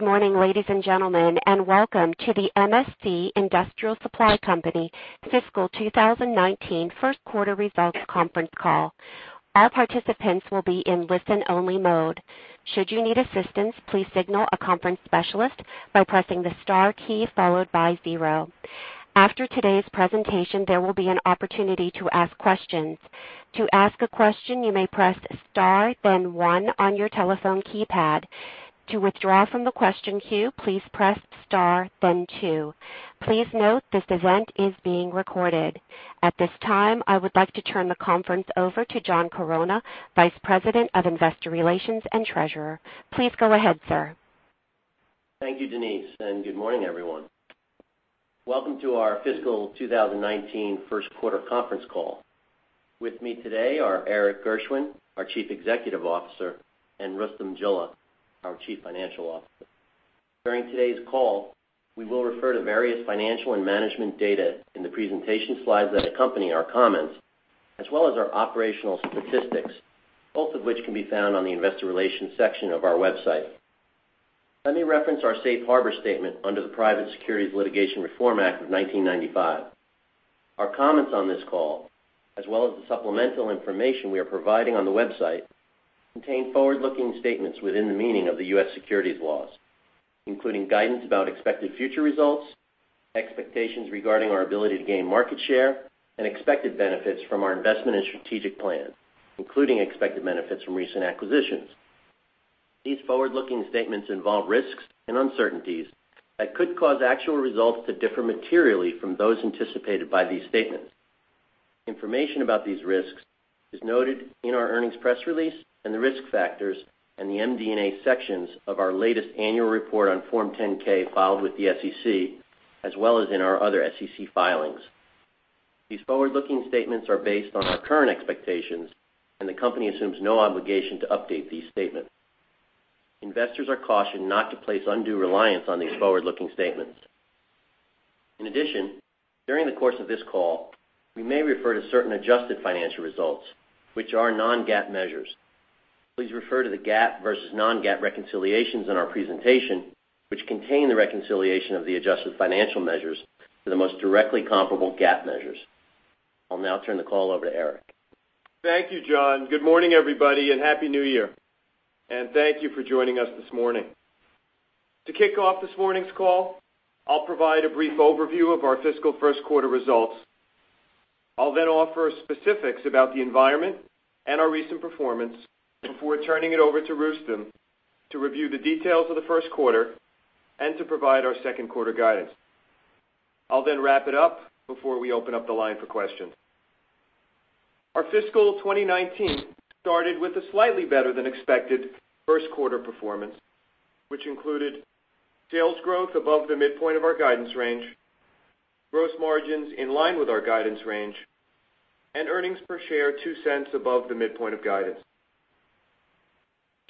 Good morning, ladies and gentlemen, and welcome to the MSC Industrial Direct Co. Fiscal 2019 first quarter results conference call. All participants will be in listen-only mode. Should you need assistance, please signal a conference specialist by pressing the star key followed by zero. After today's presentation, there will be an opportunity to ask questions. To ask a question, you may press star then One on your telephone keypad. To withdraw from the question queue, please press star then two. Please note this event is being recorded. At this time, I would like to turn the conference over to John Chironna, Vice President of Investor Relations and Treasurer. Please go ahead, sir. Thank you, Denise. Good morning, everyone. Welcome to our fiscal 2019 first quarter conference call. With me today are Erik Gershwind, our Chief Executive Officer, and Rustom Jilla, our Chief Financial Officer. During today's call, we will refer to various financial and management data in the presentation slides that accompany our comments, as well as our operational statistics, both of which can be found on the investor relations section of our website. Let me reference our safe harbor statement under the Private Securities Litigation Reform Act of 1995. Our comments on this call, as well as the supplemental information we are providing on the website, contain forward-looking statements within the meaning of the U.S. securities laws, including guidance about expected future results, expectations regarding our ability to gain market share, and expected benefits from our investment and strategic plan, including expected benefits from recent acquisitions. These forward-looking statements involve risks and uncertainties that could cause actual results to differ materially from those anticipated by these statements. Information about these risks is noted in our earnings press release and the risk factors in the MD&A sections of our latest annual report on Form 10-K filed with the SEC, as well as in our other SEC filings. These forward-looking statements are based on our current expectations, the company assumes no obligation to update these statements. Investors are cautioned not to place undue reliance on these forward-looking statements. In addition, during the course of this call, we may refer to certain adjusted financial results, which are non-GAAP measures. Please refer to the GAAP versus non-GAAP reconciliations in our presentation, which contain the reconciliation of the adjusted financial measures to the most directly comparable GAAP measures. I'll now turn the call over to Erik. Thank you, John. Good morning, everybody. Happy New Year. Thank you for joining us this morning. To kick off this morning's call, I'll provide a brief overview of our fiscal first quarter results. I'll then offer specifics about the environment and our recent performance before turning it over to Rustom to review the details of the first quarter and to provide our second quarter guidance. I'll then wrap it up before we open up the line for questions. Our fiscal 2019 started with a slightly better than expected first quarter performance, which included sales growth above the midpoint of our guidance range, gross margins in line with our guidance range, and earnings per share $0.02 above the midpoint of guidance.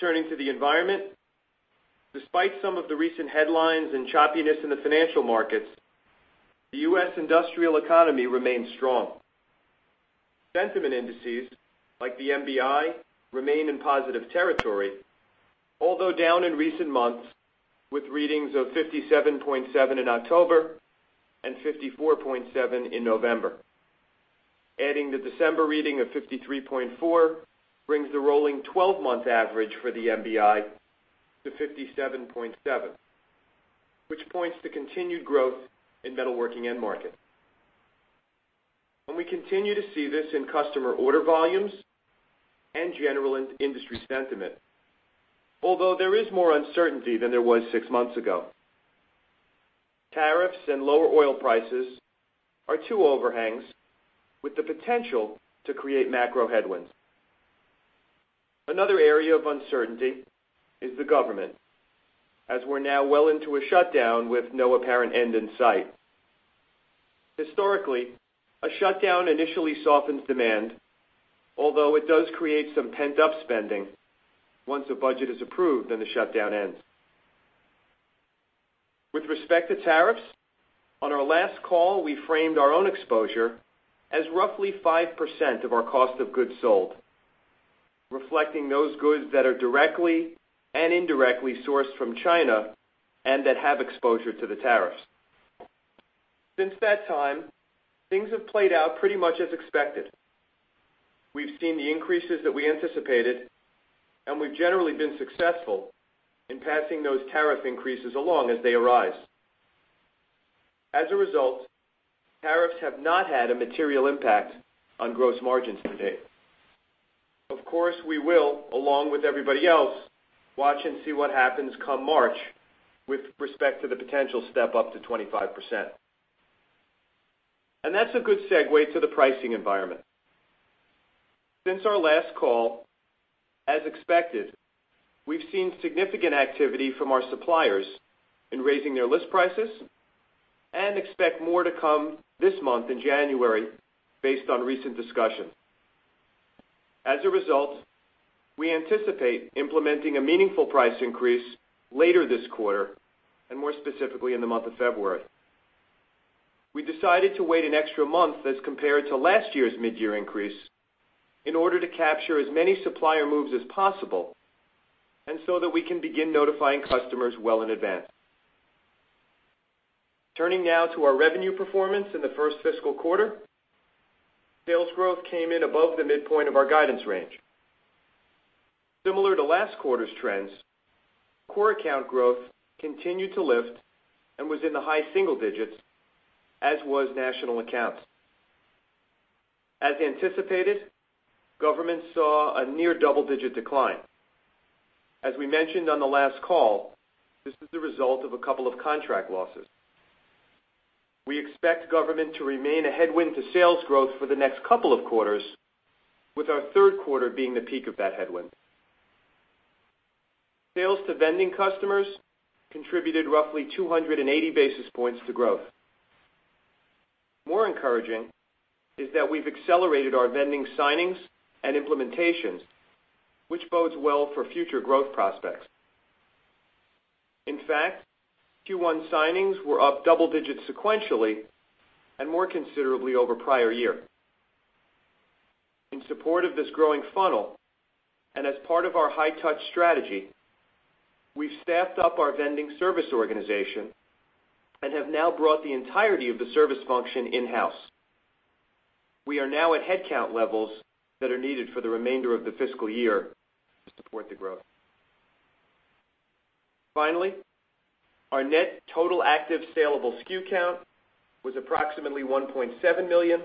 Turning to the environment. Despite some of the recent headlines and choppiness in the financial markets, the U.S. industrial economy remains strong. Sentiment indices like the MBI remain in positive territory, although down in recent months with readings of 57.7 in October and 54.7 in November. Adding the December reading of 53.4 brings the rolling 12-month average for the MBI to 57.7, which points to continued growth in metalworking end market. We continue to see this in customer order volumes and general industry sentiment. Although there is more uncertainty than there was six months ago. Tariffs and lower oil prices are two overhangs with the potential to create macro headwinds. Another area of uncertainty is the government, as we're now well into a shutdown with no apparent end in sight. Historically, a shutdown initially softens demand, although it does create some pent-up spending once a budget is approved and the shutdown ends. With respect to tariffs, on our last call, we framed our own exposure as roughly 5% of our cost of goods sold, reflecting those goods that are directly and indirectly sourced from China and that have exposure to the tariffs. Since that time, things have played out pretty much as expected. We've seen the increases that we anticipated, and we've generally been successful in passing those tariff increases along as they arise. As a result, tariffs have not had a material impact on gross margins to date. Of course, we will, along with everybody else, watch and see what happens come March with respect to the potential step up to 25%. That's a good segue to the pricing environment. Since our last call, as expected, we've seen significant activity from our suppliers in raising their list prices and expect more to come this month in January based on recent discussions. As a result, we anticipate implementing a meaningful price increase later this quarter and more specifically in the month of February. We decided to wait an extra month as compared to last year's mid-year increase in order to capture as many supplier moves as possible and so that we can begin notifying customers well in advance. Turning now to our revenue performance in the first fiscal quarter. Sales growth came in above the midpoint of our guidance range. Similar to last quarter's trends, core account growth continued to lift and was in the high single digits, as was national accounts. As anticipated, government saw a near double-digit decline. As we mentioned on the last call, this is the result of a couple of contract losses. We expect government to remain a headwind to sales growth for the next couple of quarters, with our third quarter being the peak of that headwind. Sales to vending customers contributed roughly 280 basis points to growth. More encouraging is that we've accelerated our vending signings and implementations, which bodes well for future growth prospects. In fact, Q1 signings were up double digits sequentially and more considerably over prior year. In support of this growing funnel, and as part of our high touch strategy, we've staffed up our vending service organization and have now brought the entirety of the service function in-house. We are now at headcount levels that are needed for the remainder of the fiscal year to support the growth. Finally, our net total active salable SKU count was approximately 1.7 million,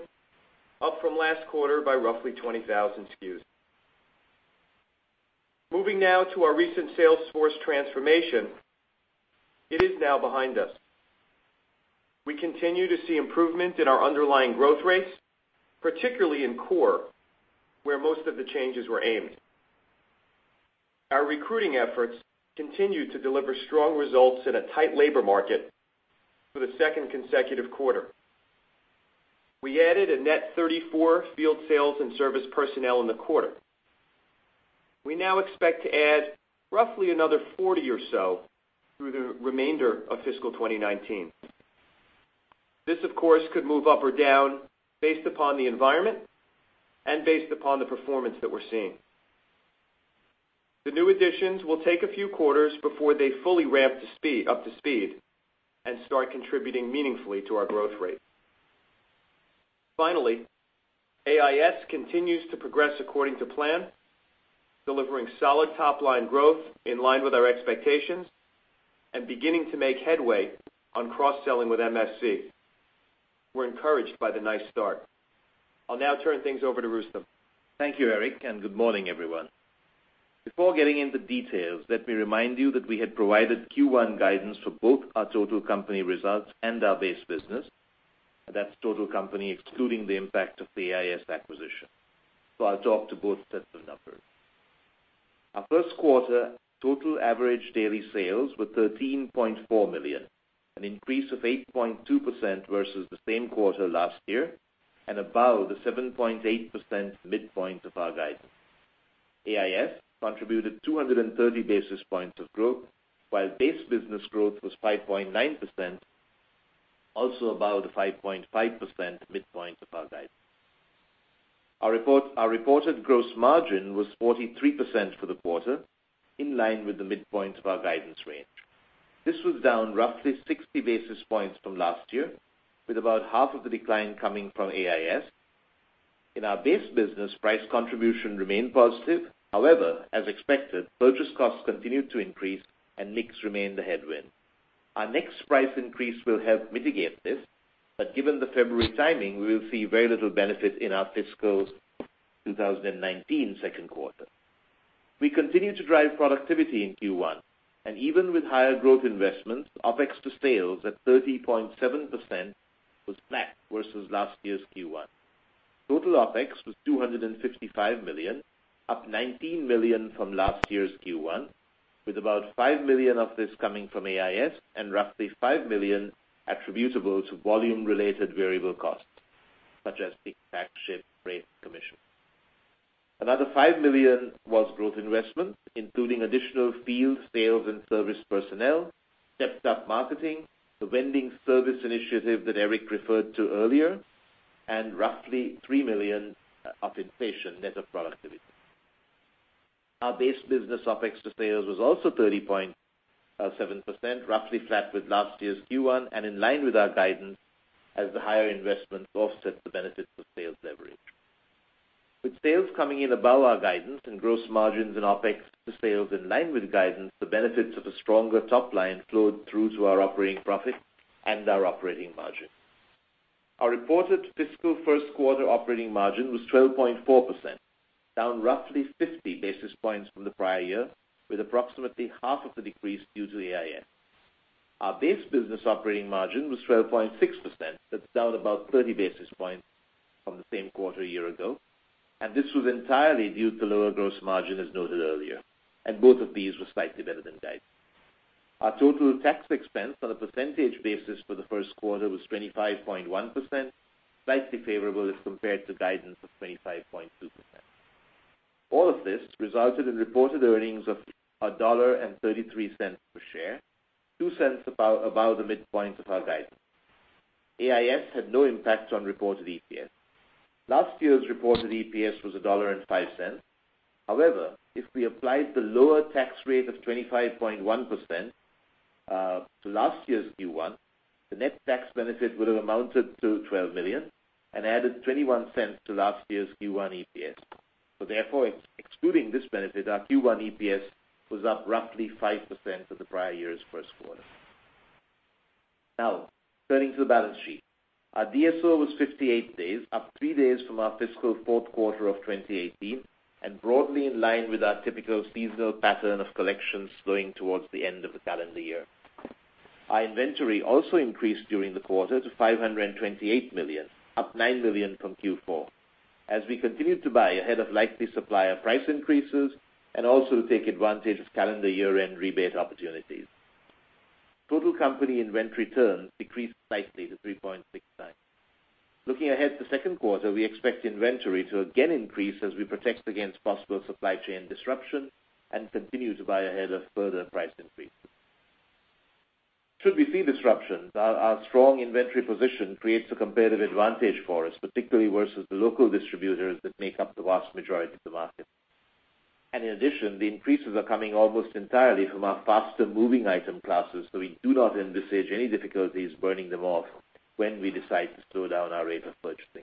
up from last quarter by roughly 20,000 SKUs. Moving now to our recent sales force transformation. It is now behind us. We continue to see improvement in our underlying growth rates, particularly in core, where most of the changes were aimed. Our recruiting efforts continued to deliver strong results in a tight labor market for the second consecutive quarter. We added a net 34 field sales and service personnel in the quarter. We now expect to add roughly another 40 or so through the remainder of fiscal 2019. This, of course, could move up or down based upon the environment and based upon the performance that we're seeing. The new additions will take a few quarters before they fully ramp up to speed and start contributing meaningfully to our growth rate. Finally, All Integrated Solutions continues to progress according to plan, delivering solid top-line growth in line with our expectations and beginning to make headway on cross-selling with MSC. We're encouraged by the nice start. I'll now turn things over to Rustom. Thank you, Erik, good morning, everyone. Before getting into details, let me remind you that we had provided Q1 guidance for both our total company results and our base business. That's total company excluding the impact of the All Integrated Solutions acquisition. I'll talk to both sets of numbers. Our first quarter total average daily sales were $13.4 million, an increase of 8.2% versus the same quarter last year and above the 7.8% midpoint of our guidance. All Integrated Solutions contributed 230 basis points of growth, while base business growth was 5.9%, also above the 5.5% midpoint of our guidance. Our reported gross margin was 43% for the quarter, in line with the midpoint of our guidance range. This was down roughly 60 basis points from last year, with about half of the decline coming from All Integrated Solutions. In our base business, price contribution remained positive. However, as expected, purchase costs continued to increase and mix remained a headwind. Our next price increase will help mitigate this, but given the February timing, we will see very little benefit in our fiscal 2019 second quarter. We continue to drive productivity in Q1, and even with higher growth investments, OpEx to sales at 30.7% was flat versus last year's Q1. Total OpEx was $255 million, up $19 million from last year's Q1, with about $5 million of this coming from All Integrated Solutions and roughly $5 million attributable to volume-related variable costs, such as pick, pack, ship, freight, commission. Another $5 million was growth investments, including additional field sales and service personnel, stepped-up marketing, the vending service initiative that Erik referred to earlier, and roughly $3 million of inflation net of productivity. Our base business OpEx to sales was also 30.7%, roughly flat with last year's Q1 and in line with our guidance as the higher investments offset the benefits of sales leverage. With sales coming in above our guidance and gross margins and OpEx to sales in line with guidance, the benefits of a stronger top line flowed through to our operating profit and our operating margin. Our reported fiscal first quarter operating margin was 12.4%, down roughly 50 basis points from the prior year, with approximately half of the decrease due to AIS. Our base business operating margin was 12.6%. That's down about 30 basis points from the same quarter a year ago, this was entirely due to lower gross margin as noted earlier, both of these were slightly better than guidance. Our total tax expense on a percentage basis for the first quarter was 25.1%, slightly favorable as compared to guidance of 25.2%. All of this resulted in reported earnings of $1.33 per share, $0.02 above the midpoint of our guidance. AIS had no impact on reported EPS. Last year's reported EPS was $1.05. However, if we applied the lower tax rate of 25.1% to last year's Q1, the net tax benefit would have amounted to $12 million and added $0.21 to last year's Q1 EPS. Therefore, excluding this benefit, our Q1 EPS was up roughly 5% for the prior year's first quarter. Turning to the balance sheet. Our DSO was 58 days, up three days from our fiscal fourth quarter of 2018 and broadly in line with our typical seasonal pattern of collections flowing towards the end of the calendar year. Our inventory also increased during the quarter to $528 million, up $9 million from Q4, as we continued to buy ahead of likely supplier price increases and also to take advantage of calendar year-end rebate opportunities. Total company inventory turns decreased slightly to 3.69. Looking ahead to the second quarter, we expect inventory to again increase as we protect against possible supply chain disruption and continue to buy ahead of further price increases. Should we see disruptions, our strong inventory position creates a competitive advantage for us, particularly versus the local distributors that make up the vast majority of the market. In addition, the increases are coming almost entirely from our faster-moving item classes, we do not envisage any difficulties burning them off when we decide to slow down our rate of purchasing.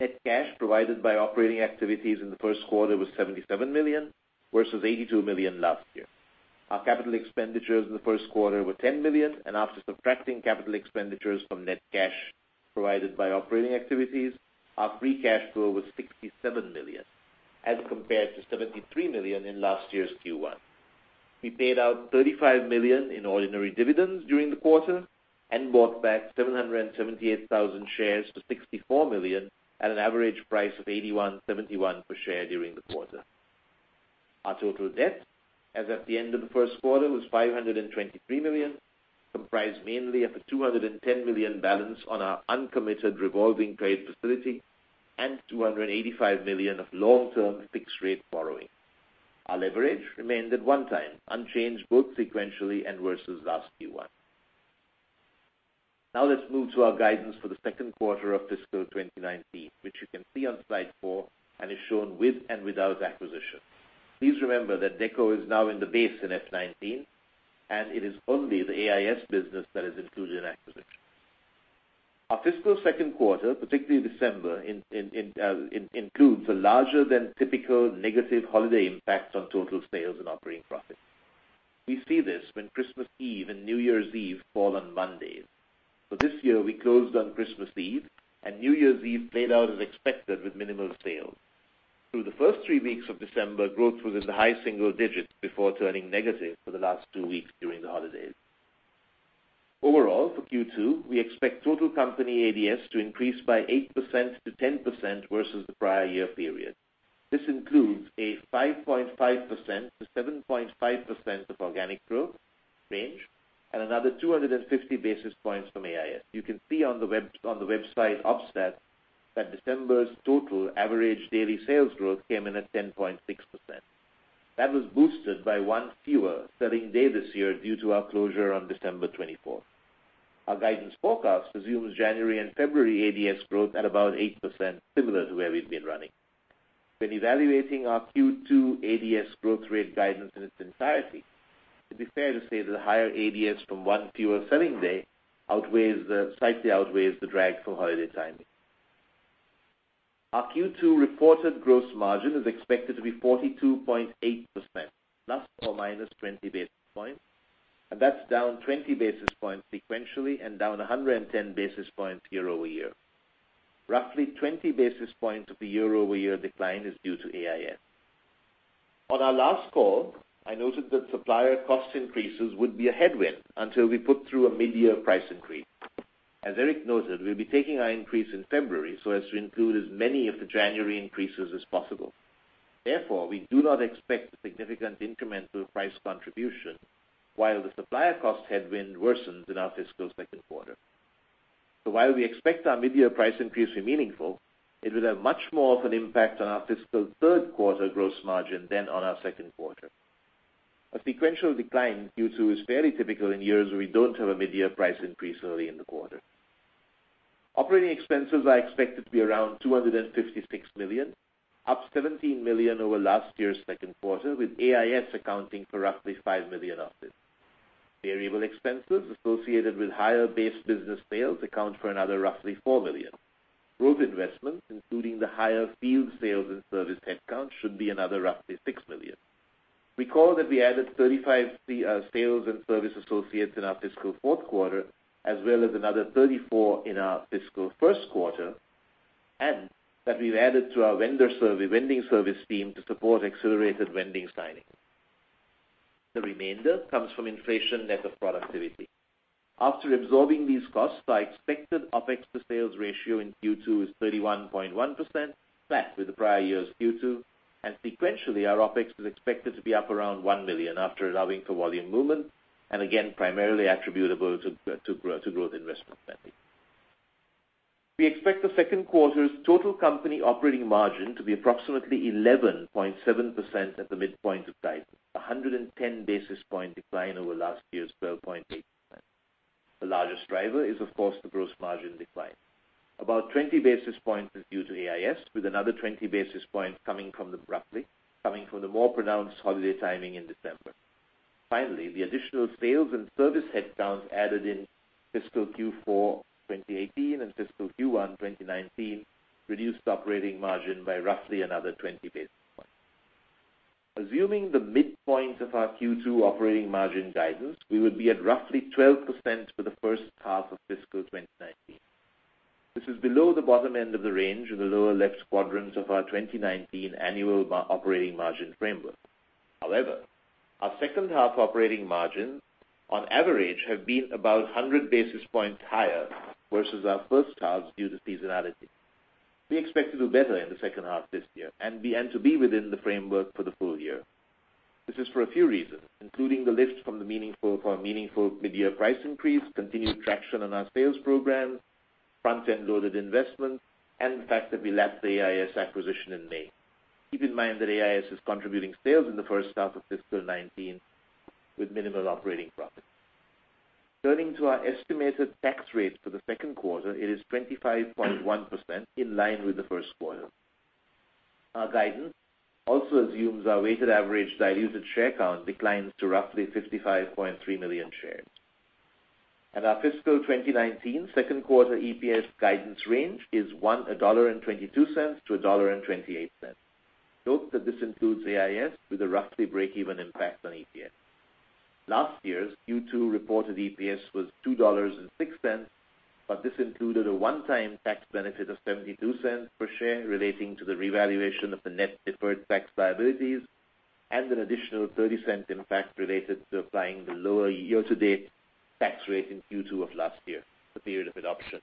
Net cash provided by operating activities in the first quarter was $77 million, versus $82 million last year. Our capital expenditures in the first quarter were $10 million, after subtracting capital expenditures from net cash provided by operating activities, our free cash flow was $67 million, as compared to $73 million in last year's Q1. We paid out $35 million in ordinary dividends during the quarter and bought back 778,000 shares to $64 million at an average price of $81.71 per share during the quarter. Our total debt as at the end of the first quarter was $523 million, comprised mainly of a $210 million balance on our uncommitted revolving trade facility and $285 million of long-term fixed-rate borrowing. Our leverage remained at 1x, unchanged both sequentially and versus last Q1. Now let's move to our guidance for the second quarter of fiscal 2019, which you can see on slide four and is shown with and without acquisitions. Please remember that DECO is now in the base in FY 2019, and it is only the AIS business that is included in acquisitions. Our fiscal second quarter, particularly December, includes a larger than typical negative holiday impact on total sales and operating profits. We see this when Christmas Eve and New Year's Eve fall on Mondays. This year we closed on Christmas Eve and New Year's Eve played out as expected with minimal sales. Through the first three weeks of December, growth was in the high single digits before turning negative for the last two weeks during the holidays. Overall, for Q2, we expect total company ADS to increase by 8%-10% versus the prior year period. This includes a 5.5%-7.5% of organic growth range and another 250 basis points from AIS. You can see on the website offset that December's total average daily sales growth came in at 10.6%. That was boosted by one fewer selling day this year due to our closure on December 24th. Our guidance forecast assumes January and February ADS growth at about 8%, similar to where we've been running. When evaluating our Q2 ADS growth rate guidance in its entirety, it'd be fair to say that the higher ADS from one fewer selling day slightly outweighs the drag from holiday timing. Our Q2 reported gross margin is expected to be 42.8% ±20 basis points, and that's down 20 basis points sequentially and down 110 basis points year-over-year. Roughly 20 basis points of the year-over-year decline is due to AIS. On our last call, I noted that supplier cost increases would be a headwind until we put through a mid-year price increase. As Erik noted, we'll be taking our increase in February so as to include as many of the January increases as possible. We do not expect a significant incremental price contribution while the supplier cost headwind worsens in our fiscal second quarter. While we expect our mid-year price increase to be meaningful, it would have much more of an impact on our fiscal third quarter gross margin than on our second quarter. A sequential decline due to is fairly typical in years where we don't have a mid-year price increase early in the quarter. Operating expenses are expected to be around $256 million, up $17 million over last year's second quarter, with AIS accounting for roughly $5 million of this. Variable expenses associated with higher base business sales account for another roughly $4 million. Growth investments, including the higher field sales and service headcount, should be another roughly $6 million. Recall that we added 35 sales and service associates in our fiscal fourth quarter, as well as another 34 in our fiscal first quarter, and that we've added to our vending service team to support accelerated vending signing. The remainder comes from inflation net of productivity. After absorbing these costs, our expected OpEx to sales ratio in Q2 is 31.1%, flat with the prior year's Q2, and sequentially, our OpEx is expected to be up around $1 million after allowing for volume movement, and again, primarily attributable to growth investment spending. We expect the second quarter's total company operating margin to be approximately 11.7% at the midpoint of guidance, 110 basis point decline over last year's 12.8%. The largest driver is, of course, the gross margin decline. About 20 basis points is due to AIS, with another 20 basis points coming from the more pronounced holiday timing in December. Finally, the additional sales and service headcounts added in fiscal Q4 2018 and fiscal Q1 2019 reduced operating margin by roughly another 20 basis points. Assuming the midpoint of our Q2 operating margin guidance, we would be at roughly 12% for the first half of fiscal 2019. This is below the bottom end of the range in the lower left quadrants of our 2019 annual operating margin framework. However, our second half operating margin on average have been about 100 basis points higher versus our first halves due to seasonality. We expect to do better in the second half this year and to be within the framework for the full year. This is for a few reasons, including the lift from our meaningful mid-year price increase, continued traction on our sales programs, front-end loaded investments, and the fact that we lapped the AIS acquisition in May. Keep in mind that AIS is contributing sales in the first half of fiscal 2019 with minimal operating profit. Turning to our estimated tax rate for the second quarter, it is 25.1%, in line with the first quarter. Our guidance also assumes our weighted average diluted share count declines to roughly 55.3 million shares. Our fiscal 2019 second quarter EPS guidance range is $1.22-$1.28. Note that this includes AIS with a roughly breakeven impact on EPS. Last year's Q2 reported EPS was $2.06, but this included a one-time tax benefit of $0.72 per share relating to the revaluation of the net deferred tax liabilities and an additional $0.30 impact related to applying the lower year-to-date tax rate in Q2 of last year, the period of adoption.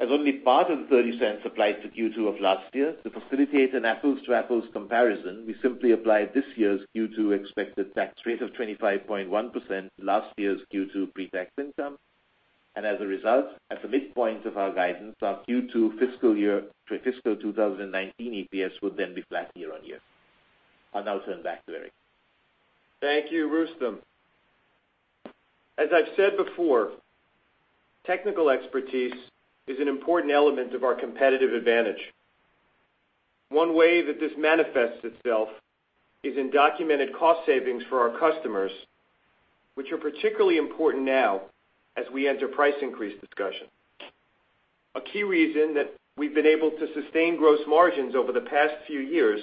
As only part of the $0.30 applied to Q2 of last year, to facilitate an apples-to-apples comparison, we simply applied this year's Q2 expected tax rate of 25.1% to last year's Q2 pre-tax income, and as a result, at the midpoint of our guidance, our Q2 fiscal 2019 EPS would then be flat year on year. I'll now turn back to Erik. Thank you, Rustom. As I've said before, technical expertise is an important element of our competitive advantage. One way that this manifests itself is in documented cost savings for our customers, which are particularly important now as we enter price increase discussion. A key reason that we've been able to sustain gross margins over the past few years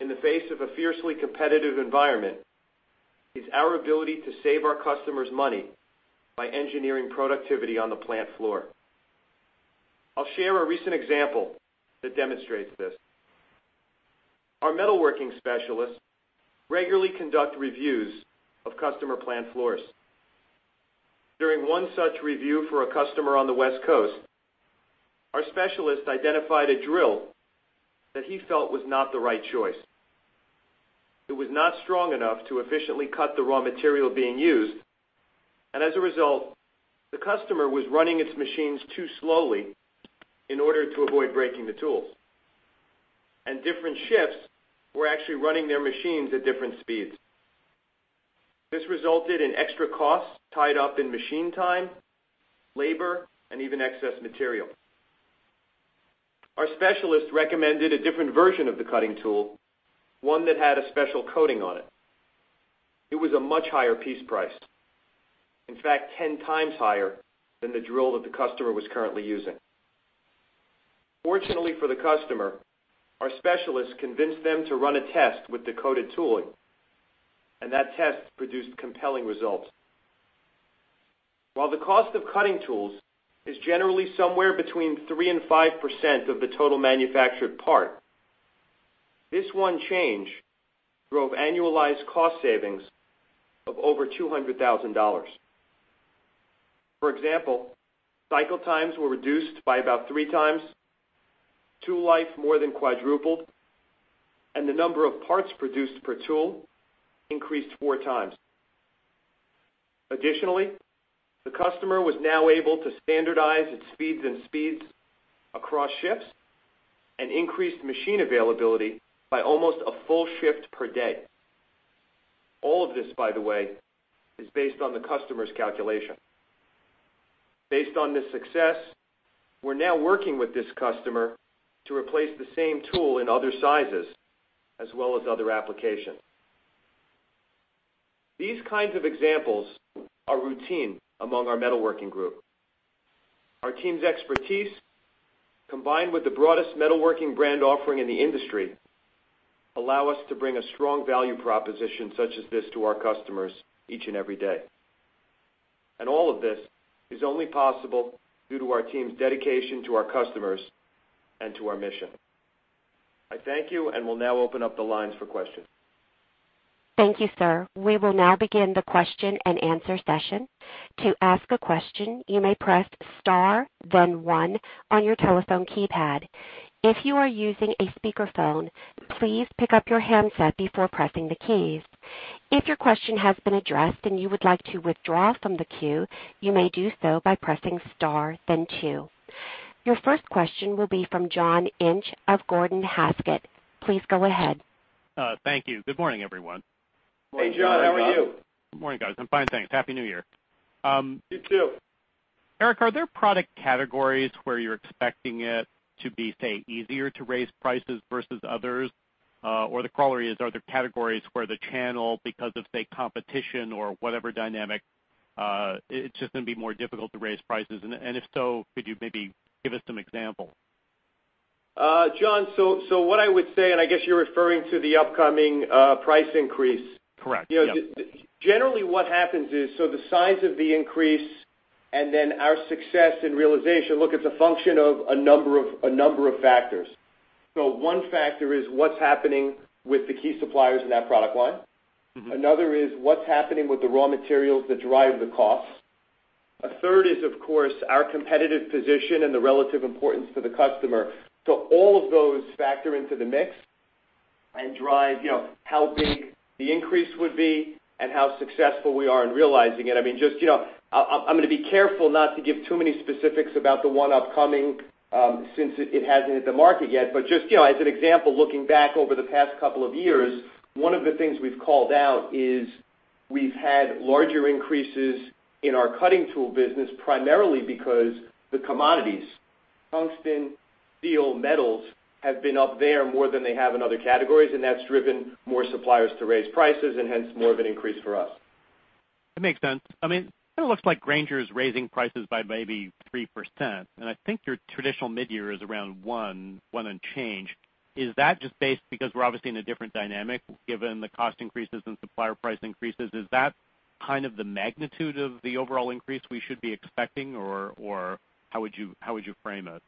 in the face of a fiercely competitive environment is our ability to save our customers money by engineering productivity on the plant floor. I'll share a recent example that demonstrates this. Our metalworking specialists regularly conduct reviews of customer plant floors. During one such review for a customer on the West Coast, our specialist identified a drill that he felt was not the right choice. It was not strong enough to efficiently cut the raw material being used, and as a result, the customer was running its machines too slowly in order to avoid breaking the tools, and different shifts were actually running their machines at different speeds. This resulted in extra costs tied up in machine time, labor, and even excess material. Our specialist recommended a different version of the cutting tool, one that had a special coating on it. It was a much higher piece price, in fact, 10 times higher than the drill that the customer was currently using. Fortunately for the customer, our specialist convinced them to run a test with the coated tooling, and that test produced compelling results. While the cost of cutting tools is generally somewhere between 3% and 5% of the total manufactured part, this one change drove annualized cost savings of over $200,000. For example, cycle times were reduced by about three times, tool life more than quadrupled, and the number of parts produced per tool increased four times. Additionally, the customer was now able to standardize its speeds and feeds across shifts and increase machine availability by almost a full shift per day. All of this, by the way, is based on the customer's calculation. Based on this success, we're now working with this customer to replace the same tool in other sizes as well as other applications. These kinds of examples are routine among our metalworking group. Our team's expertise, combined with the broadest metalworking brand offering in the industry, allow us to bring a strong value proposition such as this to our customers each and every day. All of this is only possible due to our team's dedication to our customers and to our mission. I thank you, and we'll now open up the lines for questions. Thank you, sir. We will now begin the question-and-answer session. To ask a question, you may press star, then one on your telephone keypad. If you are using a speakerphone, please pick up your handset before pressing the keys. If your question has been addressed and you would like to withdraw from the queue, you may do so by pressing star then two. Your first question will be from John Inch of Gordon Haskett. Please go ahead. Thank you. Good morning, everyone. Hey, John. How are you? Good morning, guys. I'm fine, thanks. Happy New Year. You too. Erik, are there product categories where you're expecting it to be, say, easier to raise prices versus others? The corollary is, are there categories where the channel, because of, say, competition or whatever dynamic, it's just going to be more difficult to raise prices? If so, could you maybe give us some examples? John, what I would say, I guess you're referring to the upcoming price increase. Correct. Yep. Generally what happens is, the size of the increase and then our success in realization, look, it's a function of a number of factors. One factor is what's happening with the key suppliers in that product line. Another is what's happening with the raw materials that drive the costs. A third is, of course, our competitive position and the relative importance to the customer. All of those factor into the mix and drive how big the increase would be and how successful we are in realizing it. I'm going to be careful not to give too many specifics about the one upcoming, since it hasn't hit the market yet. Just as an example, looking back over the past couple of years, one of the things we've called out is we've had larger increases in our cutting tool business, primarily because the commodities, tungsten, steel, metals, have been up there more than they have in other categories, and that's driven more suppliers to raise prices and hence more of an increase for us. That makes sense. It looks like Grainger is raising prices by maybe 3%, and I think your traditional mid-year is around one and change. Is that just based because we're obviously in a different dynamic, given the cost increases and supplier price increases? Is that kind of the magnitude of the overall increase we should be expecting, or how would you frame it?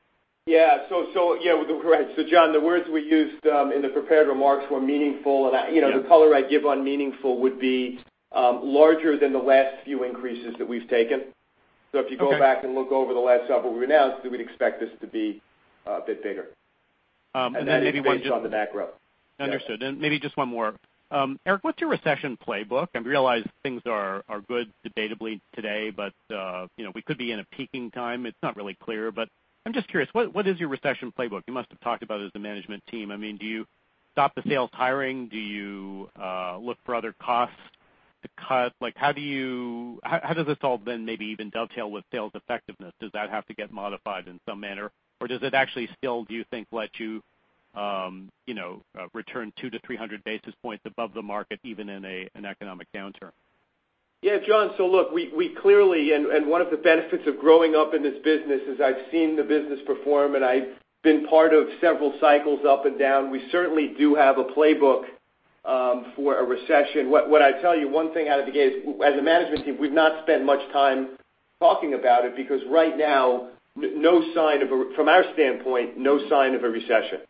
Yeah. Correct. John, the words we used in the prepared remarks were meaningful, and the color I'd give on meaningful would be larger than the last few increases that we've taken. Okay. If you go back and look over the last several we've announced, we'd expect this to be a bit bigger. Then maybe one. That is based on the macro. Understood. Maybe just one more. Erik, what's your recession playbook? I realize things are good debatably today, we could be in a peaking time. It's not really clear. I'm just curious, what is your recession playbook? You must have talked about it as a management team. Do you stop the sales hiring? Do you look for other costs to cut? How does this all maybe even dovetail with sales effectiveness? Does that have to get modified in some manner, or does it actually still, do you think, let you return 2 to 300 basis points above the market, even in an economic downturn? Yeah, John. One of the benefits of growing up in this business is I've seen the business perform, and I've been part of several cycles up and down. We certainly do have a playbook for a recession. What I'd tell you, one thing out of the gate is, as a management team, we've not spent much time talking about it because right now, from our standpoint, no sign of a recession.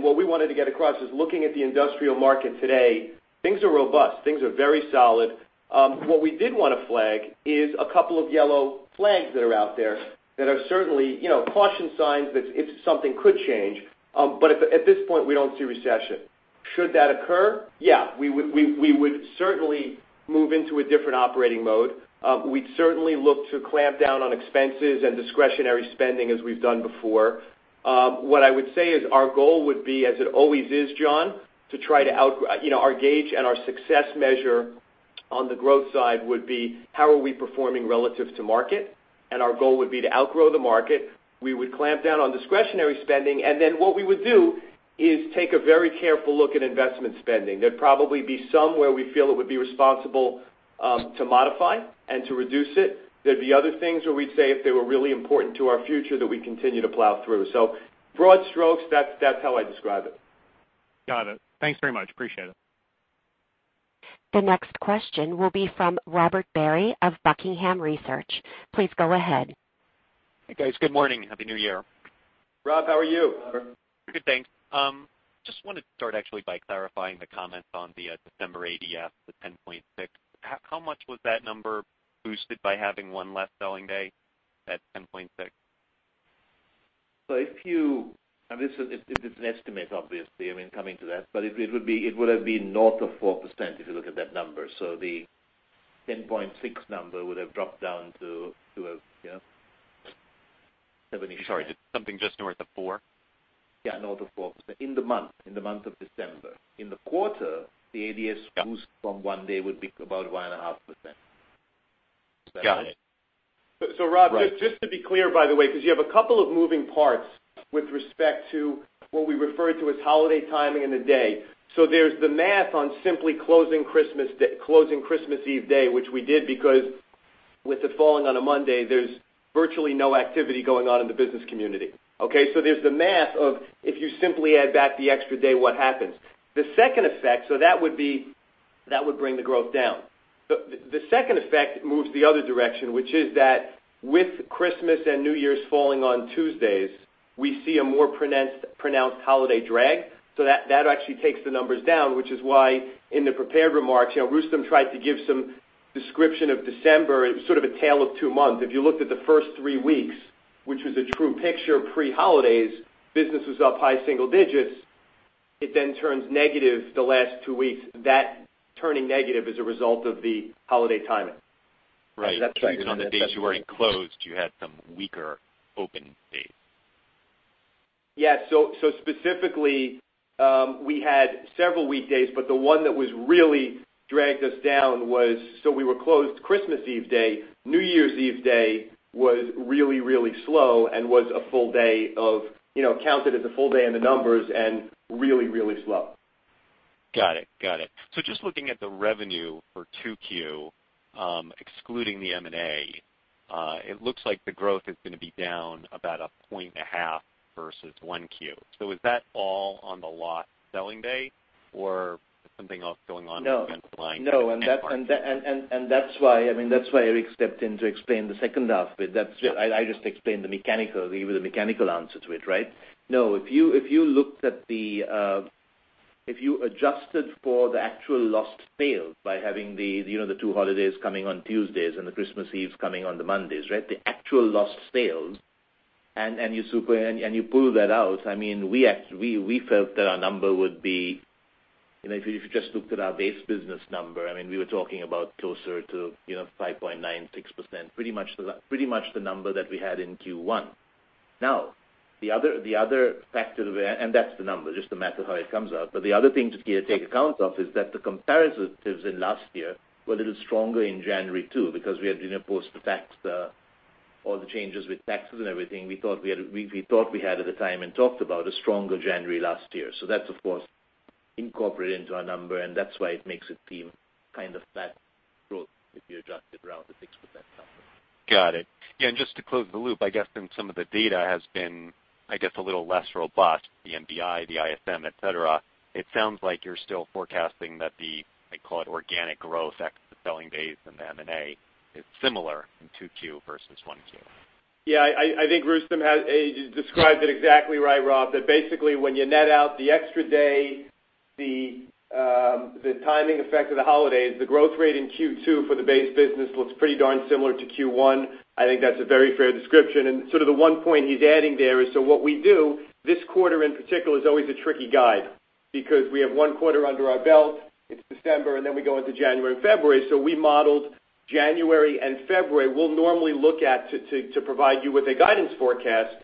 What we wanted to get across is looking at the industrial market today, things are robust. Things are very solid. What we did want to flag is a couple of yellow flags that are out there that are certainly caution signs that something could change. At this point, we don't see recession. Should that occur? Yeah, we would certainly move into a different operating mode. We'd certainly look to clamp down on expenses and discretionary spending as we've done before. What I would say is our goal would be, as it always is, John, our gauge and our success measure on the growth side would be how are we performing relative to market, and our goal would be to outgrow the market. We would clamp down on discretionary spending, and then what we would do is take a very careful look at investment spending. There'd probably be some where we feel it would be responsible to modify and to reduce it. There'd be other things where we'd say if they were really important to our future, that we continue to plow through. Broad strokes, that's how I describe it. Got it. Thanks very much. Appreciate it. The next question will be from Robert Barry of Buckingham Research. Please go ahead. Hey, guys. Good morning. Happy New Year. Rob, how are you? Good, thanks. Just want to start actually by clarifying the comments on the December ADS, the 10.6. How much was that number boosted by having one less selling day, that 10.6? This is an estimate, obviously, coming to that, but it would have been north of 4%, if you look at that number. The 10.6 number would have dropped down to 4%. Sorry, something just north of four? Yeah, north of 4% in the month of December. In the quarter, the ADS boost- Yeah from one day would be about 1.5%. Got it. Rob, Right just to be clear, by the way, because you have a couple of moving parts with respect to what we refer to as holiday timing in the day. There's the math on simply closing Christmas Eve Day, which we did, because with it falling on a Monday, there's virtually no activity going on in the business community. Okay? There's the math of if you simply add back the extra day, what happens? That would bring the growth down. The second effect moves the other direction, which is that with Christmas and New Year's falling on Tuesdays, we see a more pronounced holiday drag. That actually takes the numbers down, which is why in the prepared remarks, Rustom tried to give some description of December as sort of a tale of two months. If you looked at the first three weeks, which was a true picture pre-holidays. Business was up high single digits. It turns negative the last two weeks. That turning negative is a result of the holiday timing. Right. Is that clear? On the days you weren't closed, you had some weaker open days. Yeah. Specifically, we had several weekdays, the one that really dragged us down was we were closed Christmas Eve day. New Year's Eve day was really, really slow and counted as a full day in the numbers, and really, really slow. Got it. Just looking at the revenue for 2Q, excluding the M&A, it looks like the growth is going to be down about a point and a half versus 1Q. Is that all on the lost selling day or something else going on with the underlying- No. That's why Erik stepped in to explain the second half. I just explained the mechanical answer to it, right? No. If you adjusted for the actual lost sales by having the two holidays coming on Tuesdays and the Christmas Eve coming on the Mondays, right? The actual lost sales, and you pull that out, we felt that our number would be If you just looked at our base business number, we were talking about closer to 5.9%, 6%, pretty much the number that we had in Q1. That's the number, just a matter of how it comes out. The other thing to take account of is that the comparatives in last year were a little stronger in January, too, because we had post-tax, all the changes with taxes and everything. We thought we had at the time and talked about a stronger January last year. That's, of course, incorporated into our number, and that's why it makes it seem kind of flat growth if you adjusted around the 6% number. Got it. Just to close the loop, I guess then some of the data has been, I guess, a little less robust, the MBI, the ISM, et cetera. It sounds like you're still forecasting that the, I call it organic growth, ex the selling days and the M&A, is similar in 2Q versus 1Q. I think Rustom described it exactly right, Rob, that basically when you net out the extra day, the timing effect of the holidays, the growth rate in Q2 for the base business looks pretty darn similar to Q1. I think that's a very fair description. Sort of the one point he's adding there is, what we do this quarter in particular is always a tricky guide because we have one quarter under our belt. It's December, and then we go into January and February. We modeled January and February. We'll normally look at to provide you with a guidance forecast,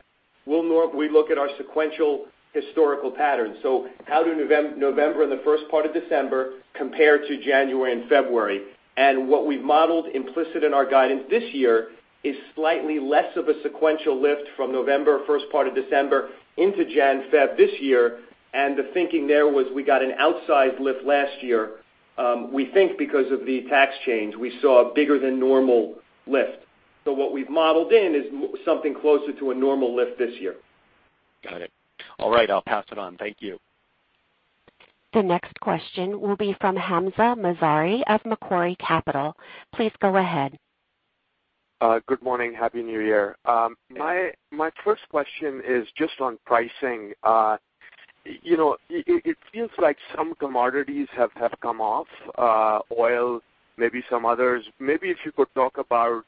we look at our sequential historical patterns. How do November and the first part of December compare to January and February? What we've modeled implicit in our guidance this year is slightly less of a sequential lift from November, first part of December into Jan, Feb this year, and the thinking there was we got an outsized lift last year. We think because of the tax change, we saw a bigger than normal lift. What we've modeled in is something closer to a normal lift this year. Got it. All right, I'll pass it on. Thank you. The next question will be from Hamzah Mazari of Macquarie Capital. Please go ahead. Good morning. Happy New Year. My first question is just on pricing. It feels like some commodities have come off, oil, maybe some others. Maybe if you could talk about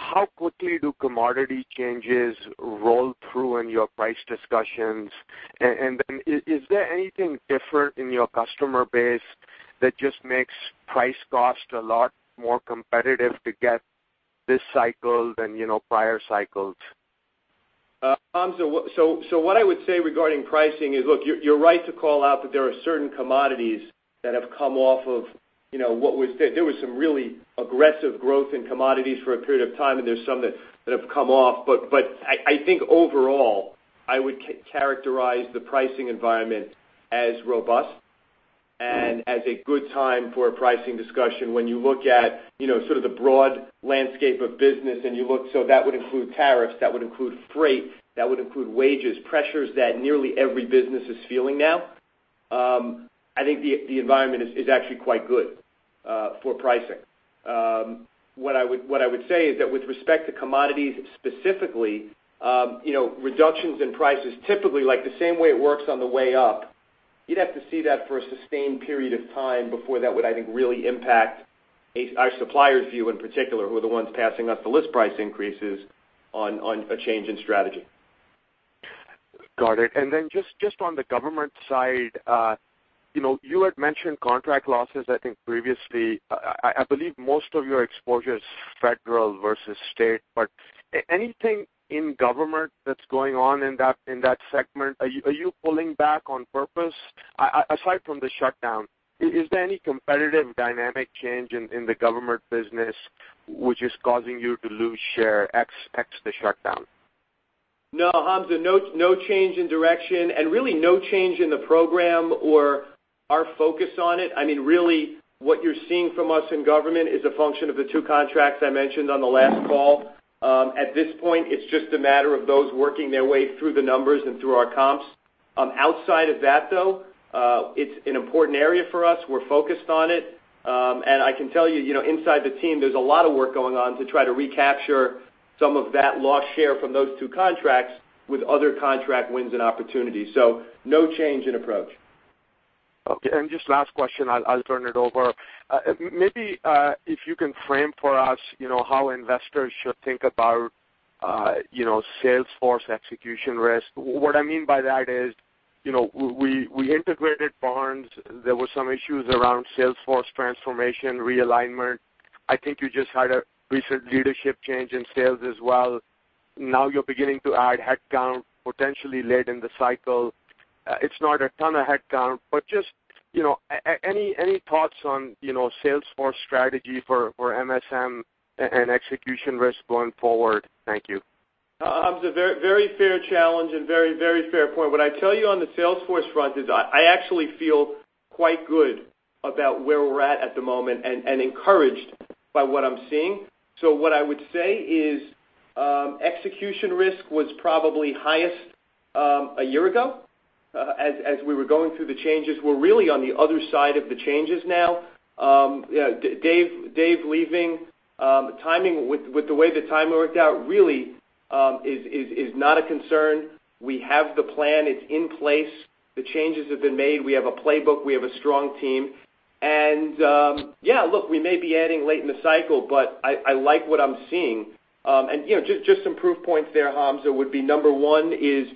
how quickly do commodity changes roll through in your price discussions? Then is there anything different in your customer base that just makes price cost a lot more competitive to get this cycle than prior cycles? Hamza, what I would say regarding pricing is, look, you're right to call out that there are certain commodities that have come off of what was there. There was some really aggressive growth in commodities for a period of time, and there's some that have come off. I think overall, I would characterize the pricing environment as robust and as a good time for a pricing discussion. When you look at sort of the broad landscape of business, that would include tariffs, that would include freight, that would include wages, pressures that nearly every business is feeling now. I think the environment is actually quite good for pricing. What I would say is that with respect to commodities specifically, reductions in prices, typically like the same way it works on the way up, you'd have to see that for a sustained period of time before that would, I think, really impact our suppliers view in particular, who are the ones passing us the list price increases on a change in strategy. Got it. Just on the government side, you had mentioned contract losses, I think previously. I believe most of your exposure is federal versus state, but anything in government that's going on in that segment? Are you pulling back on purpose? Aside from the shutdown, is there any competitive dynamic change in the government business which is causing you to lose share, ex the shutdown? No, Hamza, no change in direction, really no change in the program or our focus on it. Really what you're seeing from us in government is a function of the two contracts I mentioned on the last call. At this point, it's just a matter of those working their way through the numbers and through our comps. Outside of that, though, it's an important area for us. We're focused on it. I can tell you, inside the team, there's a lot of work going on to try to recapture some of that lost share from those two contracts with other contract wins and opportunities. No change in approach. Okay. Just last question, I'll turn it over. Maybe if you can frame for us how investors should think about sales force execution risk. What I mean by that is, we integrated Barnes. There were some issues around sales force transformation realignment. I think you just had a recent leadership change in sales as well. Now you're beginning to add headcount potentially late in the cycle. It's not a ton of headcount, but just any thoughts on sales force strategy for MSC and execution risk going forward? Thank you. Hamza, very fair challenge and very fair point. What I tell you on the sales force front is I actually feel quite good about where we're at at the moment and encouraged by what I'm seeing. What I would say is execution risk was probably highest a year ago as we were going through the changes. We're really on the other side of the changes now. Dave leaving, with the way the timing worked out, really is not a concern. We have the plan. It's in place. The changes have been made. We have a playbook. We have a strong team. Look, we may be adding late in the cycle, but I like what I'm seeing. Just some proof points there, Hamza, would be number one is,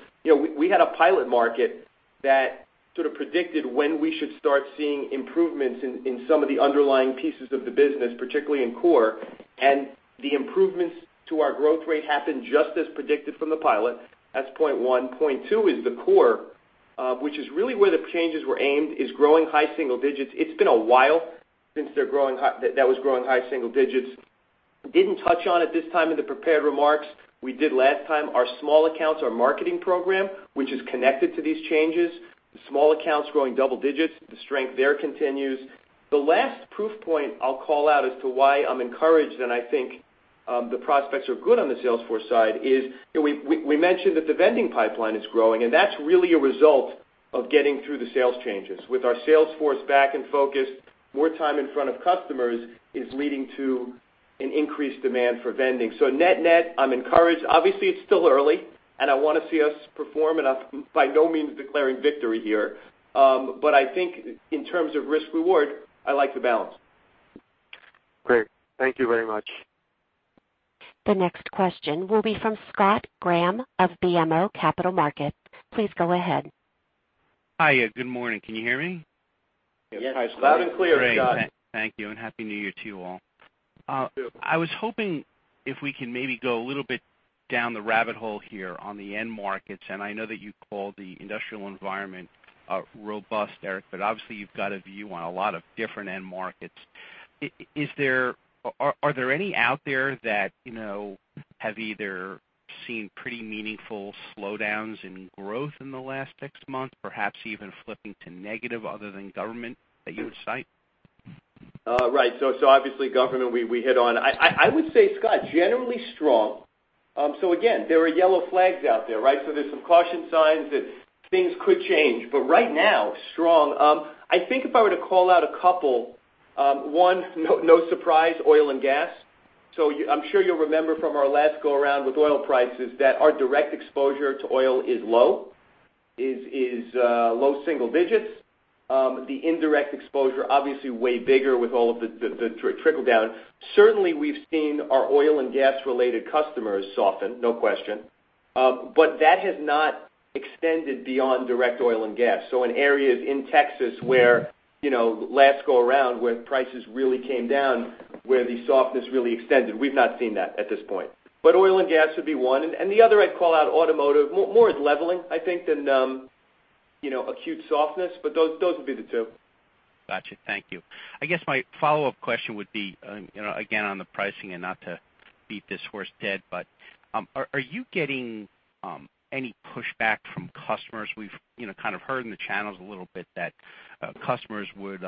we had a pilot market that sort of predicted when we should start seeing improvements in some of the underlying pieces of the business, particularly in core, and the improvements to our growth rate happened just as predicted from the pilot. That's point 1. Point 2 is the core, which is really where the changes were aimed, is growing high single digits. It's been a while since that was growing high single digits. Didn't touch on it this time in the prepared remarks. We did last time. Our small accounts, our marketing program, which is connected to these changes, the small accounts growing double digits, the strength there continues. The last proof point I'll call out as to why I'm encouraged and I think the prospects are good on the sales force side is we mentioned that the vending pipeline is growing. That's really a result of getting through the sales changes. With our sales force back and focused, more time in front of customers is leading to an increased demand for vending. Net-net, I'm encouraged. Obviously, it's still early, and I want to see us perform, and I'm by no means declaring victory here. I think in terms of risk-reward, I like the balance. Great. Thank you very much. The next question will be from Scott Graham of BMO Capital Markets. Please go ahead. Hiya. Good morning. Can you hear me? Yes. Loud and clear, Scott. Great. Thank you, and happy New Year to you all. You too. I was hoping if we can maybe go a little bit down the rabbit hole here on the end markets. I know that you called the industrial environment robust, Erik, but obviously you've got a view on a lot of different end markets. Are there any out there that have either seen pretty meaningful slowdowns in growth in the last six months, perhaps even flipping to negative other than government that you would cite? Right. Obviously government we hit on. I would say, Scott, generally strong. Again, there are yellow flags out there, right? There's some caution signs that things could change, but right now, strong. I think if I were to call out a couple, one, no surprise, oil and gas. I'm sure you'll remember from our last go around with oil prices that our direct exposure to oil is low single digits. The indirect exposure, obviously way bigger with all of the trickle-down. Certainly, we've seen our oil and gas-related customers soften, no question. That has not extended beyond direct oil and gas. In areas in Texas where last go around when prices really came down, where the softness really extended, we've not seen that at this point. Oil and gas would be one. The other I'd call out automotive, more as leveling, I think, than acute softness, but those would be the two. Got you. Thank you. I guess my follow-up question would be, again, on the pricing and not to beat this horse dead, but are you getting any pushback from customers? We've kind of heard in the channels a little bit that customers would